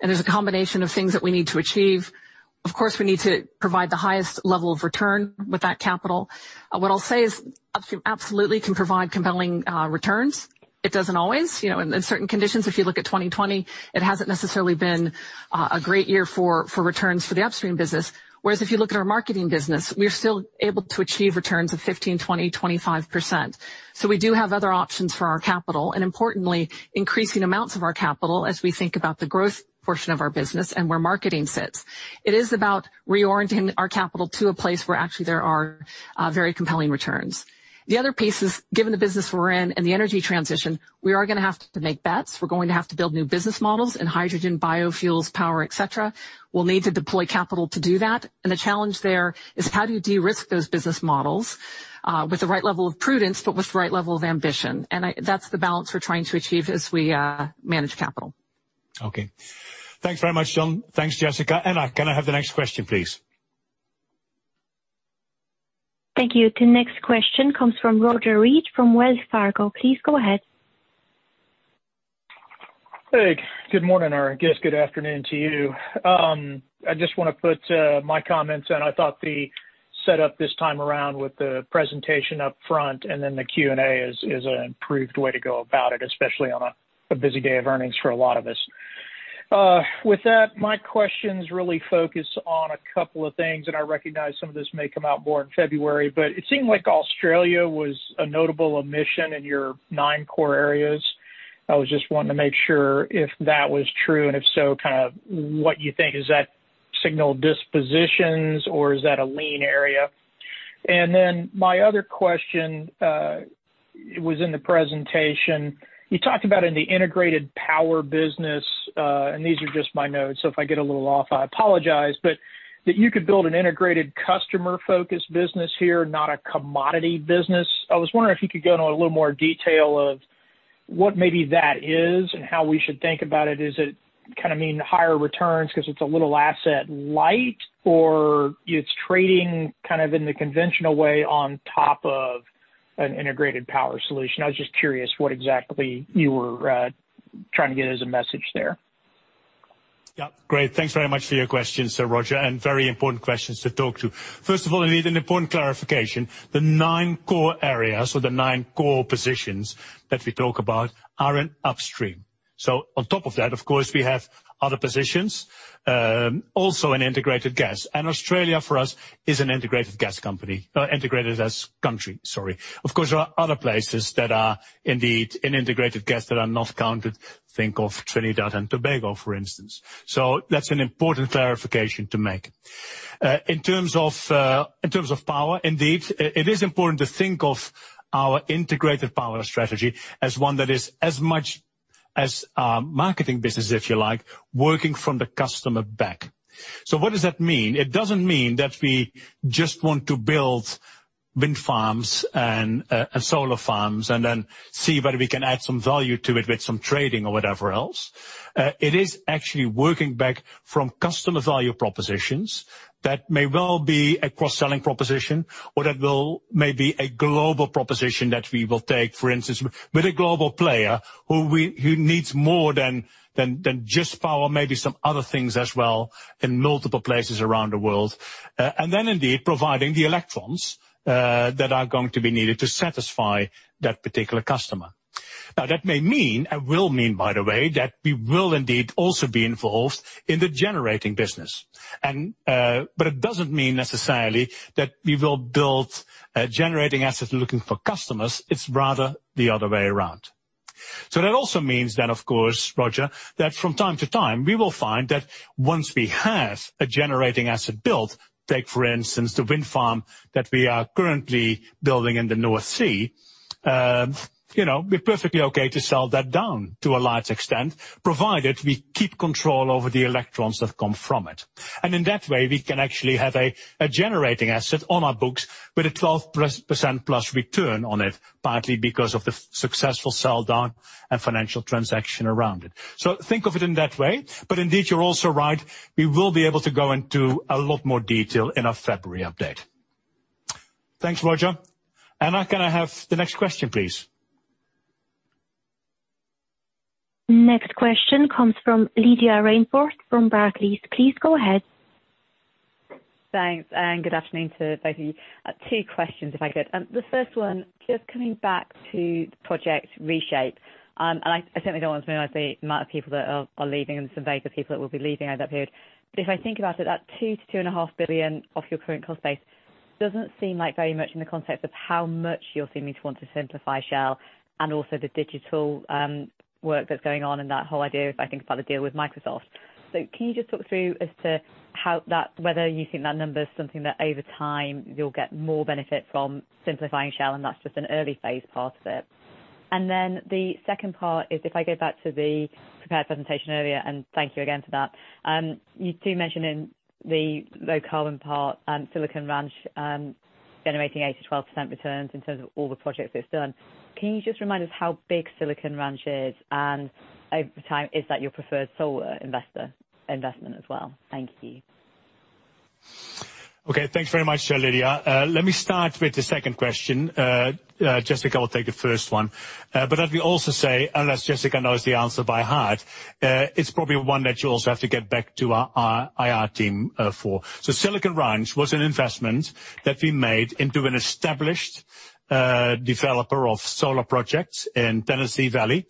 There's a combination of things that we need to achieve. Of course, we need to provide the highest level of return with that capital. What I'll say is upstream absolutely can provide compelling returns. It doesn't always. In certain conditions, if you look at 2020, it hasn't necessarily been a great year for returns for the upstream business. Whereas if you look at our marketing business, we're still able to achieve returns of 15%, 20%, 25%. We do have other options for our capital, and importantly, increasing amounts of our capital as we think about the growth portion of our business and where marketing sits. It is about reorienting our capital to a place where actually there are very compelling returns. The other piece is, given the business we're in and the energy transition, we are going to have to make bets. We're going to have to build new business models in hydrogen, biofuels, power, et cetera. We'll need to deploy capital to do that. The challenge there is how do you de-risk those business models with the right level of prudence, but with the right level of ambition? That's the balance we're trying to achieve as we manage capital. Okay. Thanks very much, Jon. Thanks, Jessica. Anna, can I have the next question, please? Thank you. The next question comes from Roger Read from Wells Fargo. Please go ahead. Hey, good morning, or I guess good afternoon to you. I just want to put my comments in. I thought the setup this time around with the presentation up front and then the Q&A is an improved way to go about it, especially on a busy day of earnings for a lot of us. With that, my questions really focus on a couple of things, and I recognize some of this may come out more in February, but it seemed like Australia was a notable omission in your nine core areas. I was just wanting to make sure if that was true, and if so, kind of what you think is that signal dispositions or is that a lean area? Then my other question was in the presentation. You talked about in the integrated power business, and these are just my notes, so if I get a little off, I apologize. That you could build an integrated customer-focused business here, not a commodity business. I was wondering if you could go into a little more detail of what maybe that is and how we should think about it. Is it mean higher returns because it's a little asset light or it's trading kind of in the conventional way on top of an integrated power solution? I was just curious what exactly you were trying to get as a message there. Yeah. Great. Thanks very much for your questions, Roger, and very important questions to talk to. First of all, I need an important clarification. The nine core areas or the nine core positions that we talk about are in upstream. On top of that, of course, we have other positions, also in integrated gas. Australia, for us, is an integrated gas company, integrated as country, sorry. Of course, there are other places that are indeed in integrated gas that are not counted. Think of Trinidad and Tobago, for instance. That's an important clarification to make. In terms of power, indeed, it is important to think of our integrated power strategy as one that is as much as our marketing business, if you like, working from the customer back. What does that mean? It doesn't mean that we just want to build wind farms and solar farms and then see whether we can add some value to it with some trading or whatever else. It is actually working back from customer value propositions that may well be a cross-selling proposition or that may be a global proposition that we will take, for instance, with a global player who needs more than just power, maybe some other things as well in multiple places around the world. Then indeed providing the electrons that are going to be needed to satisfy that particular customer. Now, that may mean, and will mean, by the way, that we will indeed also be involved in the generating business. It doesn't mean necessarily that we will build generating assets looking for customers. It's rather the other way around. That also means, of course, Roger, that from time to time, we will find that once we have a generating asset built, take for instance, the wind farm that we are currently building in the North Sea, we're perfectly okay to sell that down to a large extent, provided we keep control over the electrons that come from it. In that way, we can actually have a generating asset on our books with a 12%+ return on it, partly because of the successful sell-down and financial transaction around it. Think of it in that way. Indeed, you're also right, we will be able to go into a lot more detail in our February update. Thanks, Roger. Anna, can I have the next question, please? Next question comes from Lydia Rainforth from Barclays. Please go ahead. Thanks. Good afternoon to both of you. Two questions, if I could. The first one, just coming back to Project Reshape. I certainly don't want to minimize the amount of people that are leaving and some very good people that will be leaving over that period. If I think about it, that $2 billion-$2.5 billion of your current cost base doesn't seem like very much in the context of how much you're seeming to want to simplify Shell and also the digital work that's going on in that whole idea if I think about the deal with Microsoft. Can you just talk through as to whether you think that number is something that over time you'll get more benefit from simplifying Shell and that's just an early phase part of it? The second part is if I go back to the prepared presentation earlier, and thank you again for that. You do mention in the low-carbon part, Silicon Ranch generating 8%-12% returns in terms of all the projects that it's done. Can you just remind us how big Silicon Ranch is? Over time, is that your preferred solar investment as well? Thank you. Okay. Thanks very much, Lydia. Let me start with the second question. Jessica will take the first one. Let me also say, unless Jessica knows the answer by heart, it's probably one that you also have to get back to our IR team for. Silicon Ranch was an investment that we made into an established developer of solar projects in Tennessee Valley.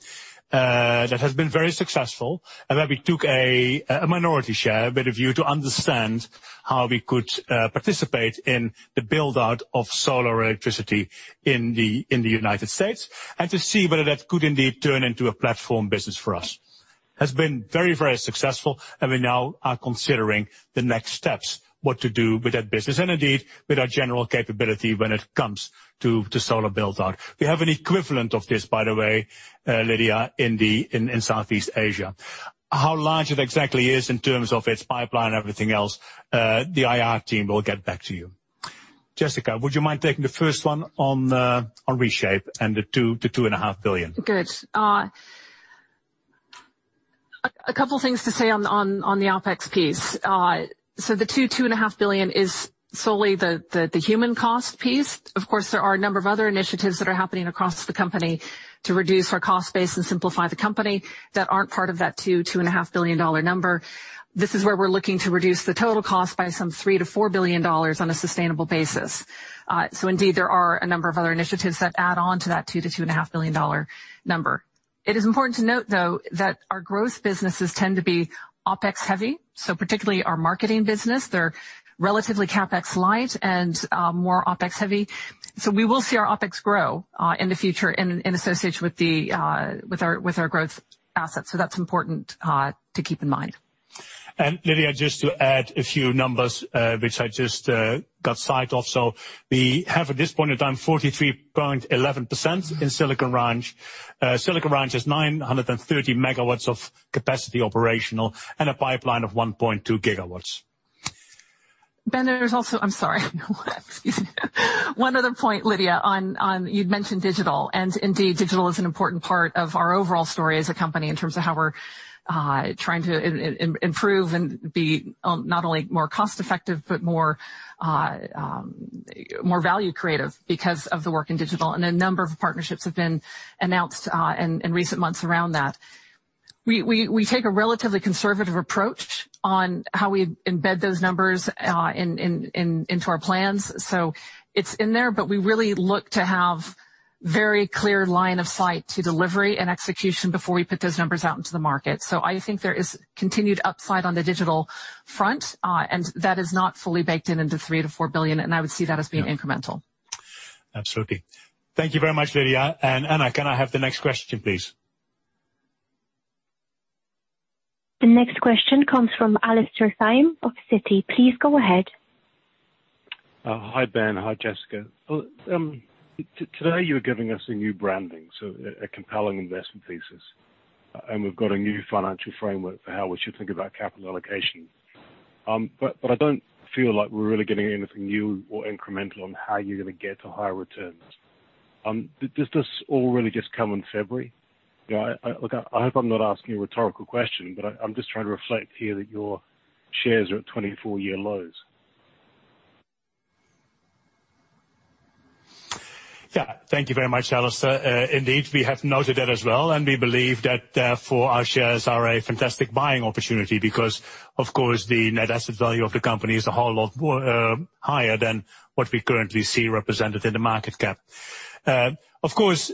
That has been very successful in that we took a minority share, a bit of view, to understand how we could participate in the build-out of solar electricity in the United States and to see whether that could indeed turn into a platform business for us. Has been very successful, and we now are considering the next steps, what to do with that business, and indeed, with our general capability when it comes to solar build-out. We have an equivalent of this, by the way, Lydia, in Southeast Asia. How large it exactly is in terms of its pipeline and everything else, the IR team will get back to you. Jessica, would you mind taking the first one on Reshape and the $2 billion-$2.5 billion? Good. A couple things to say on the OpEx piece. The $2 billion, $2.5 billion is solely the human cost piece. Of course, there are a number of other initiatives that are happening across the company to reduce our cost base and simplify the company that aren't part of that $2 billion, $2.5 billion number. This is where we're looking to reduce the total cost by some $3 billion-$4 billion on a sustainable basis. Indeed, there are a number of other initiatives that add on to that $2 billion-$2.5 billion number. It is important to note, though, that our growth businesses tend to be OpEx heavy, so particularly our marketing business. They're relatively CapEx light and more OpEx heavy. We will see our OpEx grow in the future in association with our growth assets. That's important to keep in mind. Lydia, just to add a few numbers, which I just got sight of. We have at this point in time 43.11% in Silicon Ranch. Silicon Ranch has 930 MW of capacity operational and a pipeline of 1.2 GW. Ben, there's also I'm sorry. Excuse me. One other point, Lydia, on you'd mentioned digital, and indeed, digital is an important part of our overall story as a company in terms of how we're trying to improve and be not only more cost-effective but more value creative because of the work in digital, and a number of partnerships have been announced in recent months around that. We take a relatively conservative approach on how we embed those numbers into our plans. It's in there, but we really look to have very clear line of sight to delivery and execution before we put those numbers out into the market. I think there is continued upside on the digital front, and that is not fully baked in into $3 billion-$4 billion, and I would see that as being incremental. Absolutely. Thank you very much, Lydia. Anna, can I have the next question, please? The next question comes from Alastair Syme of Citi. Please go ahead. Hi, Ben. Hi, Jessica. Today, you are giving us a new branding, so a compelling investment thesis. We've got a new financial framework for how we should think about capital allocation. I don't feel like we're really getting anything new or incremental on how you're going to get to higher returns. Does this all really just come in February? Look, I hope I'm not asking a rhetorical question, but I'm just trying to reflect here that your shares are at 24-year lows. Yeah. Thank you very much, Alastair. Indeed, we have noted that as well, and we believe that therefore our shares are a fantastic buying opportunity because, of course, the net asset value of the company is a whole lot higher than what we currently see represented in the market cap. Of course,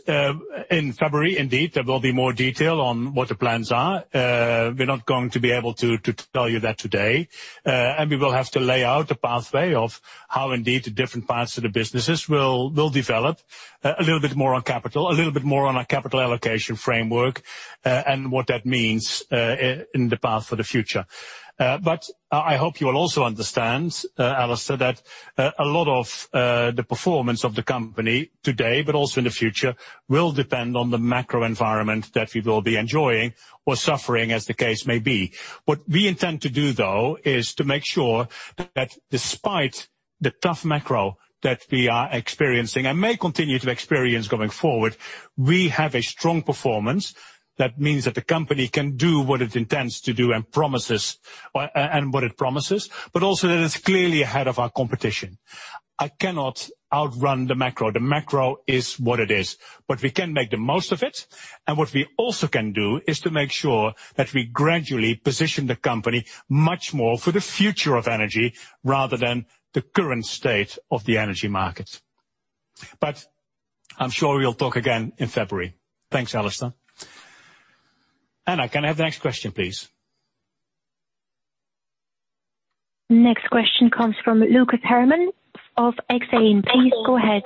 in February, indeed, there will be more detail on what the plans are. We're not going to be able to tell you that today. We will have to lay out the pathway of how indeed the different parts of the businesses will develop a little bit more on capital, a little bit more on our capital allocation framework, and what that means in the path for the future. I hope you will also understand, Alastair, that a lot of the performance of the company today, but also in the future, will depend on the macro environment that we will be enjoying or suffering, as the case may be. What we intend to do, though, is to make sure that despite the tough macro that we are experiencing and may continue to experience going forward, we have a strong performance. That means that the company can do what it intends to do and what it promises, but also that it's clearly ahead of our competition. I cannot outrun the macro. The macro is what it is. We can make the most of it, and what we also can do is to make sure that we gradually position the company much more for the future of energy rather than the current state of the energy market. I'm sure we'll talk again in February. Thanks, Alastair. Anna, can I have the next question, please? Next question comes from Lucas Herrmann of Exane. Please go ahead.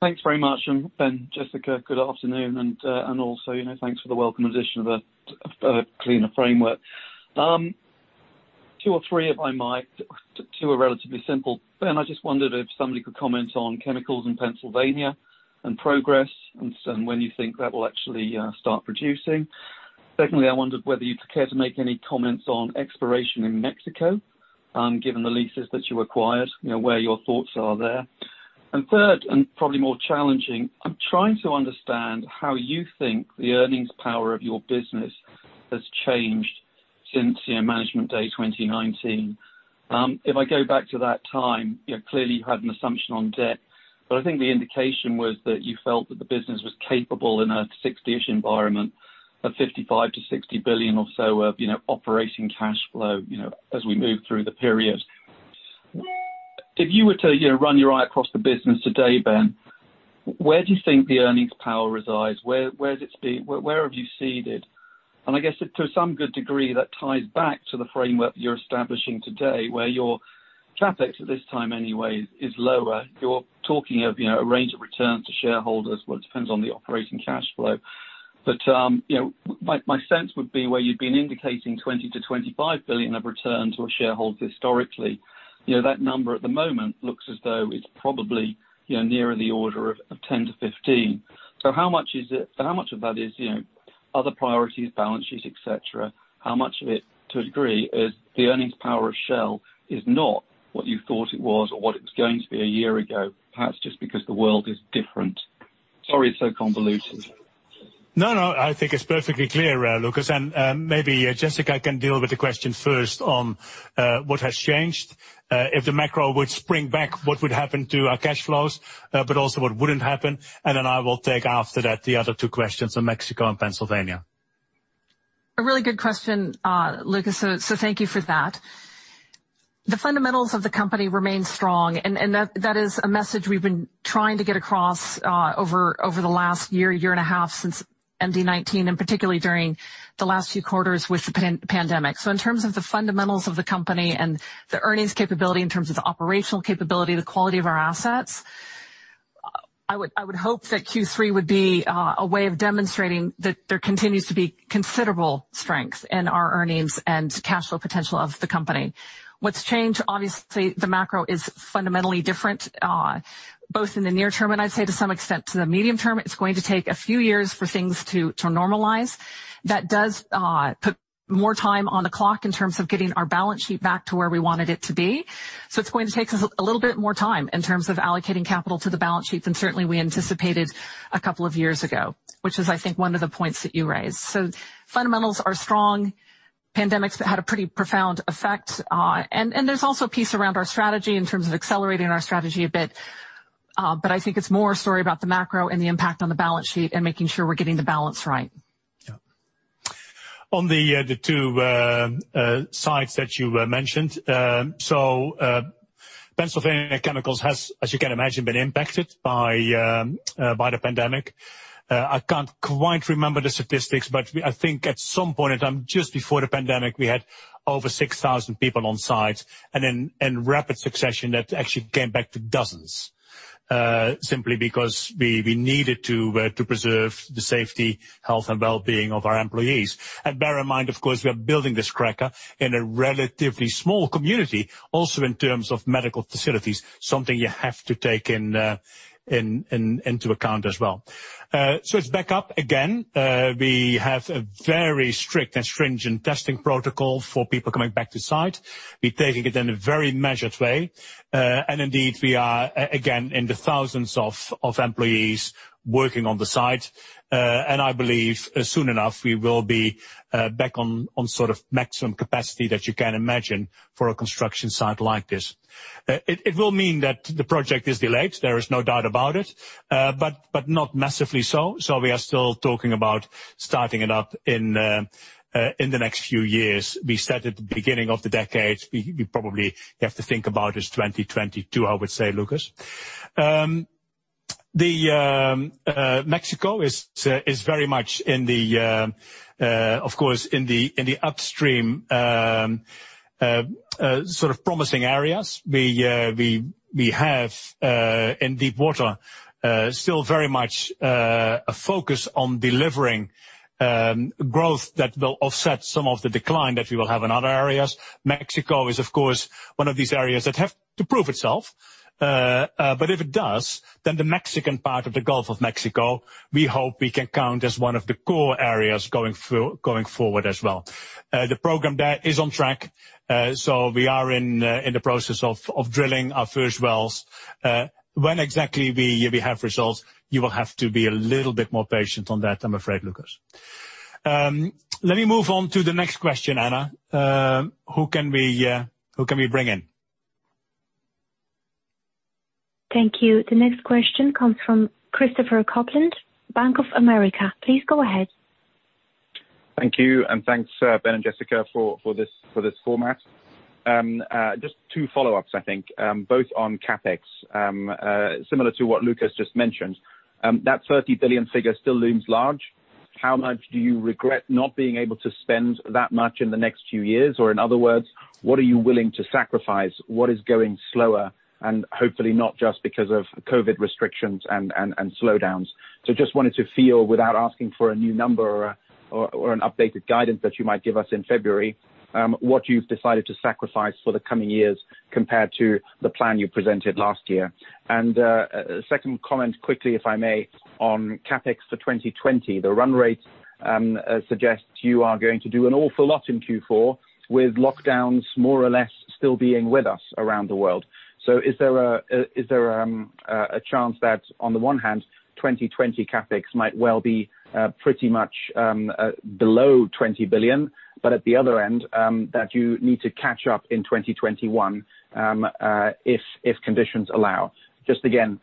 Thanks very much, Ben, Jessica. Good afternoon, and also thanks for the welcome addition of a cleaner framework. Two or three, if I might. Two are relatively simple. Ben, I just wondered if somebody could comment on chemicals in Pennsylvania and progress, and when you think that will actually start producing. Secondly, I wondered whether you'd care to make any comments on exploration in Mexico, given the leases that you acquired, where your thoughts are there. Third, and probably more challenging, I'm trying to understand how you think the earnings power of your business has changed since Management Day 2019. If I go back to that time, clearly you had an assumption on debt, but I think the indication was that you felt that the business was capable in a 60-ish environment of $55 billion-$60 billion or so of operating cash flow as we move through the period. If you were to run your eye across the business today, Ben, where do you think the earnings power resides? Where have you seeded? I guess to some good degree, that ties back to the framework that you're establishing today, where your CapEx, at this time anyway, is lower. You're talking of a range of returns to shareholders. Well, it depends on the operating cash flow. My sense would be where you've been indicating $20 billion-$25 billion of returns to our shareholders historically. That number at the moment looks as though it's probably nearer the order of $10 billion-$15 billion. How much of that is other priorities, balance sheets, et cetera? How much of it, to a degree, is the earnings power of Shell is not what you thought it was or what it was going to be a year ago, perhaps just because the world is different? Sorry it's so convoluted. No, I think it's perfectly clear, Lucas. Maybe Jessica can deal with the question first on what has changed. If the macro would spring back, what would happen to our cash flows, but also what wouldn't happen? Then I will take after that the other two questions on Mexico and Pennsylvania. A really good question, Lucas. Thank you for that. The fundamentals of the company remain strong, and that is a message we've been trying to get across over the last 1.5 year since MD19, and particularly during the last few quarters with the pandemic. In terms of the fundamentals of the company and the earnings capability in terms of the operational capability, the quality of our assets, I would hope that Q3 would be a way of demonstrating that there continues to be considerable strength in our earnings and cash flow potential of the company. What's changed, obviously, the macro is fundamentally different, both in the near term and I'd say to some extent, to the medium term. It's going to take a few years for things to normalize. That does put more time on the clock in terms of getting our balance sheet back to where we wanted it to be. It's going to take us a little bit more time in terms of allocating capital to the balance sheet than certainly we anticipated a couple of years ago, which is, I think, one of the points that you raised. Fundamentals are strong. Pandemics had a pretty profound effect. There's also a piece around our strategy in terms of accelerating our strategy a bit. I think it's more a story about the macro and the impact on the balance sheet and making sure we're getting the balance right. Yeah. On the two sites that you mentioned. Pennsylvania Chemicals has, as you can imagine, been impacted by the pandemic. I can't quite remember the statistics, but I think at some point in time, just before the pandemic, we had over 6,000 people on site. In rapid succession, that actually came back to dozens, simply because we needed to preserve the safety, health, and well-being of our employees. Bear in mind, of course, we are building this cracker in a relatively small community, also in terms of medical facilities, something you have to take into account as well. It's back up again. We have a very strict and stringent testing protocol for people coming back to site. We're taking it in a very measured way. Indeed, we are again in the thousands of employees working on the site. I believe soon enough, we will be back on sort of maximum capacity that you can imagine for a construction site like this. It will mean that the project is delayed. There is no doubt about it. Not massively so. We are still talking about starting it up in the next few years. We said at the beginning of the decade. We probably have to think about as 2022, I would say, Lucas. Mexico is very much, of course, in the upstream promising areas. We have, in deep water, still very much a focus on delivering growth that will offset some of the decline that we will have in other areas. Mexico is, of course, one of these areas that have to prove itself. If it does, then the Mexican part of the Gulf of Mexico, we hope we can count as one of the core areas going forward as well. The program there is on track, so we are in the process of drilling our first wells. When exactly we have results, you will have to be a little bit more patient on that, I'm afraid, Lucas. Let me move on to the next question, Anna. Who can we bring in? Thank you. The next question comes from Christopher Kuplent, Bank of America. Please go ahead. Thank you. Thanks, Ben and Jessica, for this format. Just two follow-ups, I think, both on CapEx. Similar to what Lucas just mentioned, that $30 billion figure still looms large. How much do you regret not being able to spend that much in the next few years? In other words, what are you willing to sacrifice? What is going slower, and hopefully not just because of COVID restrictions and slowdowns. Just wanted to feel, without asking for a new number or an updated guidance that you might give us in February, what you've decided to sacrifice for the coming years compared to the plan you presented last year. A second comment quickly, if I may, on CapEx for 2020. The run rate suggests you are going to do an awful lot in Q4 with lockdowns more or less still being with us around the world. Is there a chance that, on the one hand, 2020 CapEx might well be pretty much below $20 billion, but at the other end, that you need to catch up in 2021 if conditions allow? Just again,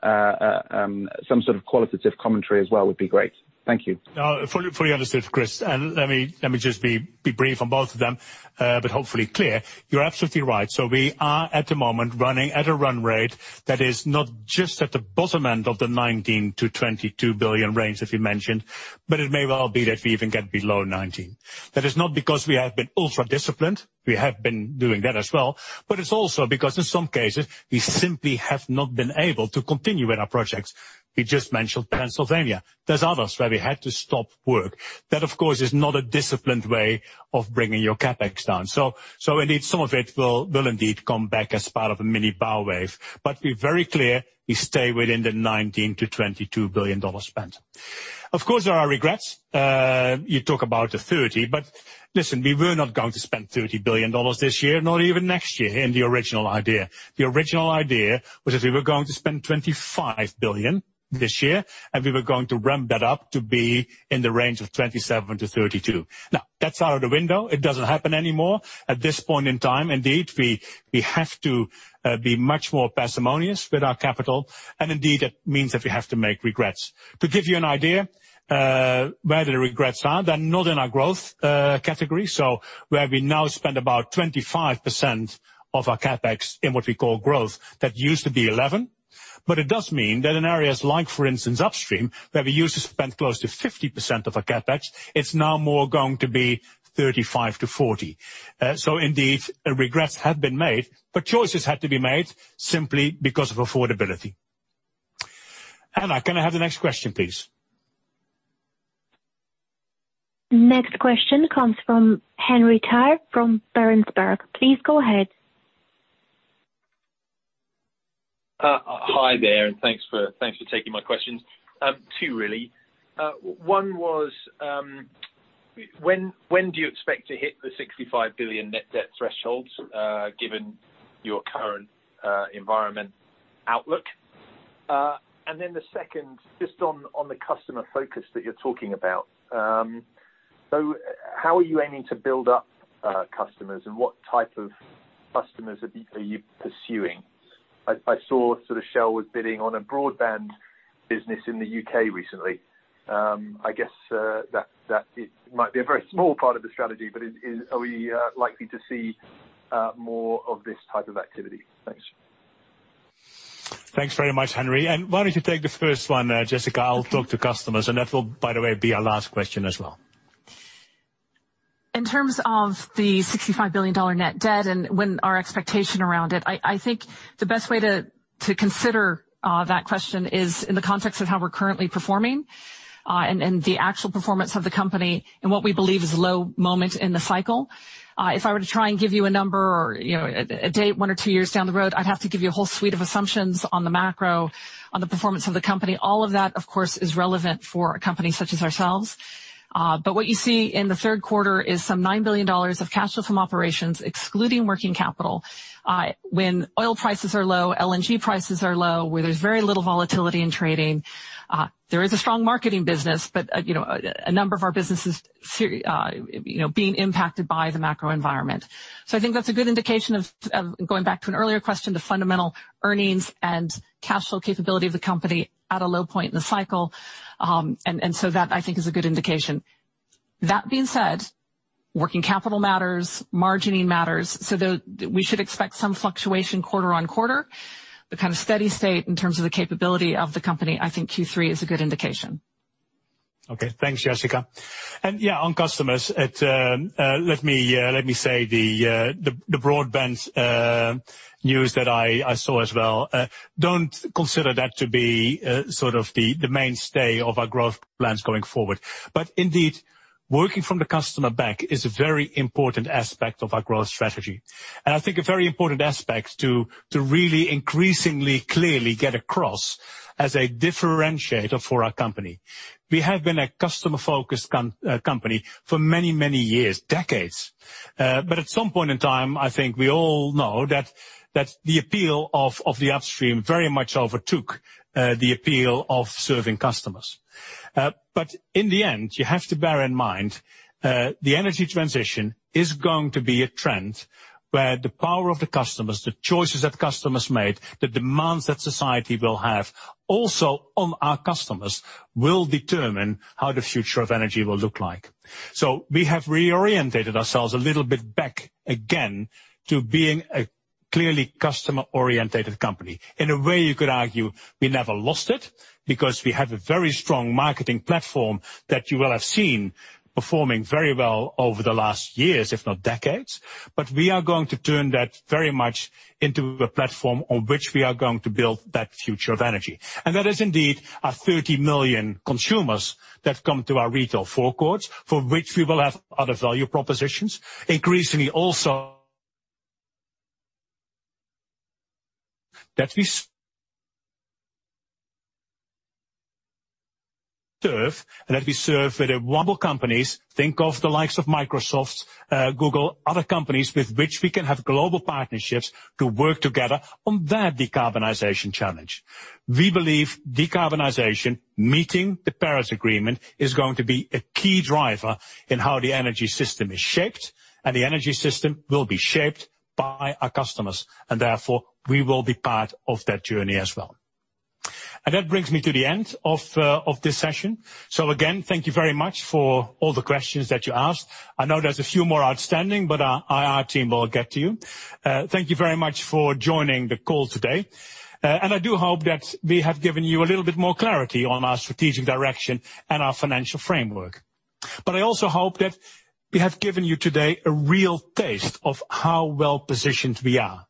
some sort of qualitative commentary as well would be great. Thank you. No, fully understood, Chris. Let me just be brief on both of them, hopefully clear. You're absolutely right. We are, at the moment, running at a run rate that is not just at the bottom end of the $19 billion-$22 billion range that we mentioned, it may well be that we even get below $19 billion. That is not because we have been ultra-disciplined. We have been doing that as well, it's also because in some cases, we simply have not been able to continue with our projects. We just mentioned Pennsylvania. There's others where we had to stop work. That, of course, is not a disciplined way of bringing your CapEx down. Indeed, some of it will indeed come back as part of a mini power wave. Be very clear, we stay within the $19 billion-$22 billion spend. Of course, there are regrets. You talk about the $30 billion, listen, we were not going to spend $30 billion this year, not even next year in the original idea. The original idea was that we were going to spend $25 billion this year, and we were going to ramp that up to be in the range of $27 billion-$32 billion. That's out of the window. It doesn't happen anymore. At this point in time, indeed, we have to be much more parsimonious with our capital, and indeed, it means that we have to make regrets. To give you an idea where the regrets are, they're not in our growth category. Where we now spend about 25% of our CapEx in what we call growth, that used to be 11%. It does mean that in areas like, for instance, upstream, where we used to spend close to 50% of our CapEx, it's now more going to be 35%-40%. Indeed, regrets have been made, but choices had to be made simply because of affordability. Anna, can I have the next question, please? Next question comes from Henry Tarr from Berenberg. Please go ahead. Hi there, and thanks for taking my questions. two, really. One was, when do you expect to hit the $65 billion net debt thresholds, given your current environment outlook? Then the second, just on the customer focus that you're talking about. How are you aiming to build up customers, and what type of customers are you pursuing? I saw Shell was bidding on a broadband business in the U.K. recently. I guess that it might be a very small part of the strategy, but are we likely to see more of this type of activity? Thanks. Thanks very much, Henry. Why don't you take the first one, Jessica? I'll talk to customers, and that will, by the way, be our last question as well. In terms of the $65 billion net debt and when our expectation around it, I think the best way to consider that question is in the context of how we're currently performing and the actual performance of the company in what we believe is a low moment in the cycle. If I were to try and give you a number or a date one or two years down the road, I'd have to give you a whole suite of assumptions on the macro, on the performance of the company. All of that, of course, is relevant for a company such as ourselves. What you see in the third quarter is some $9 billion of cash flow from operations excluding working capital. When oil prices are low, LNG prices are low, where there's very little volatility in trading. There is a strong marketing business, but a number of our businesses being impacted by the macro environment. I think that's a good indication of, going back to an earlier question, the fundamental earnings and cash flow capability of the company at a low point in the cycle. That, I think is a good indication. That being said, working capital matters, margining matters. We should expect some fluctuation quarter on quarter, but kind of steady state in terms of the capability of the company, I think Q3 is a good indication. Okay. Thanks, Jessica. Yeah, on customers, let me say the broadband news that I saw as well, don't consider that to be sort of the mainstay of our growth plans going forward. Indeed, working from the customer back is a very important aspect of our growth strategy. I think a very important aspect to really increasingly, clearly get across as a differentiator for our company. We have been a customer-focused company for many, many years, decades. At some point in time, I think we all know that the appeal of the upstream very much overtook the appeal of serving customers. In the end, you have to bear in mind, the energy transition is going to be a trend where the power of the customers, the choices that customers make, the demands that society will have also on our customers will determine how the future of energy will look like. We have reoriented ourselves a little bit back again to being a clearly customer-oriented company. In a way, you could argue we never lost it because we have a very strong marketing platform that you will have seen performing very well over the last years, if not decades. We are going to turn that very much into a platform on which we are going to build that future of energy. That is indeed our 30 million consumers that come to our retail forecourts, for which we will have other value propositions. Increasingly also that we serve for the global companies. Think of the likes of Microsoft, Google, other companies with which we can have global partnerships to work together on their decarbonization challenge. We believe decarbonization, meeting the Paris Agreement, is going to be a key driver in how the energy system is shaped, and the energy system will be shaped by our customers, and therefore, we will be part of that journey as well. That brings me to the end of this session. Again, thank you very much for all the questions that you asked. I know there's a few more outstanding, but our IR team will get to you. Thank you very much for joining the call today. I do hope that we have given you a little bit more clarity on our strategic direction and our financial framework. I also hope that we have given you today a real taste of how well-positioned we are.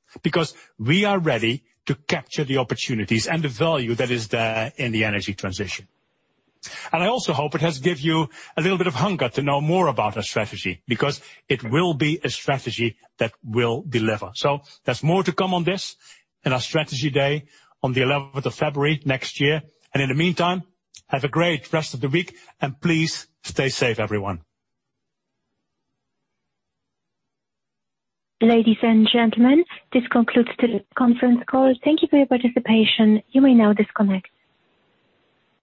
We are ready to capture the opportunities and the value that is there in the energy transition. I also hope it has give you a little bit of hunger to know more about our strategy, because it will be a strategy that will deliver. There's more to come on this in our strategy day on the 11th of February next year. In the meantime, have a great rest of the week, and please stay safe, everyone. Ladies and gentlemen, this concludes today's conference call. Thank you for your participation. You may now disconnect.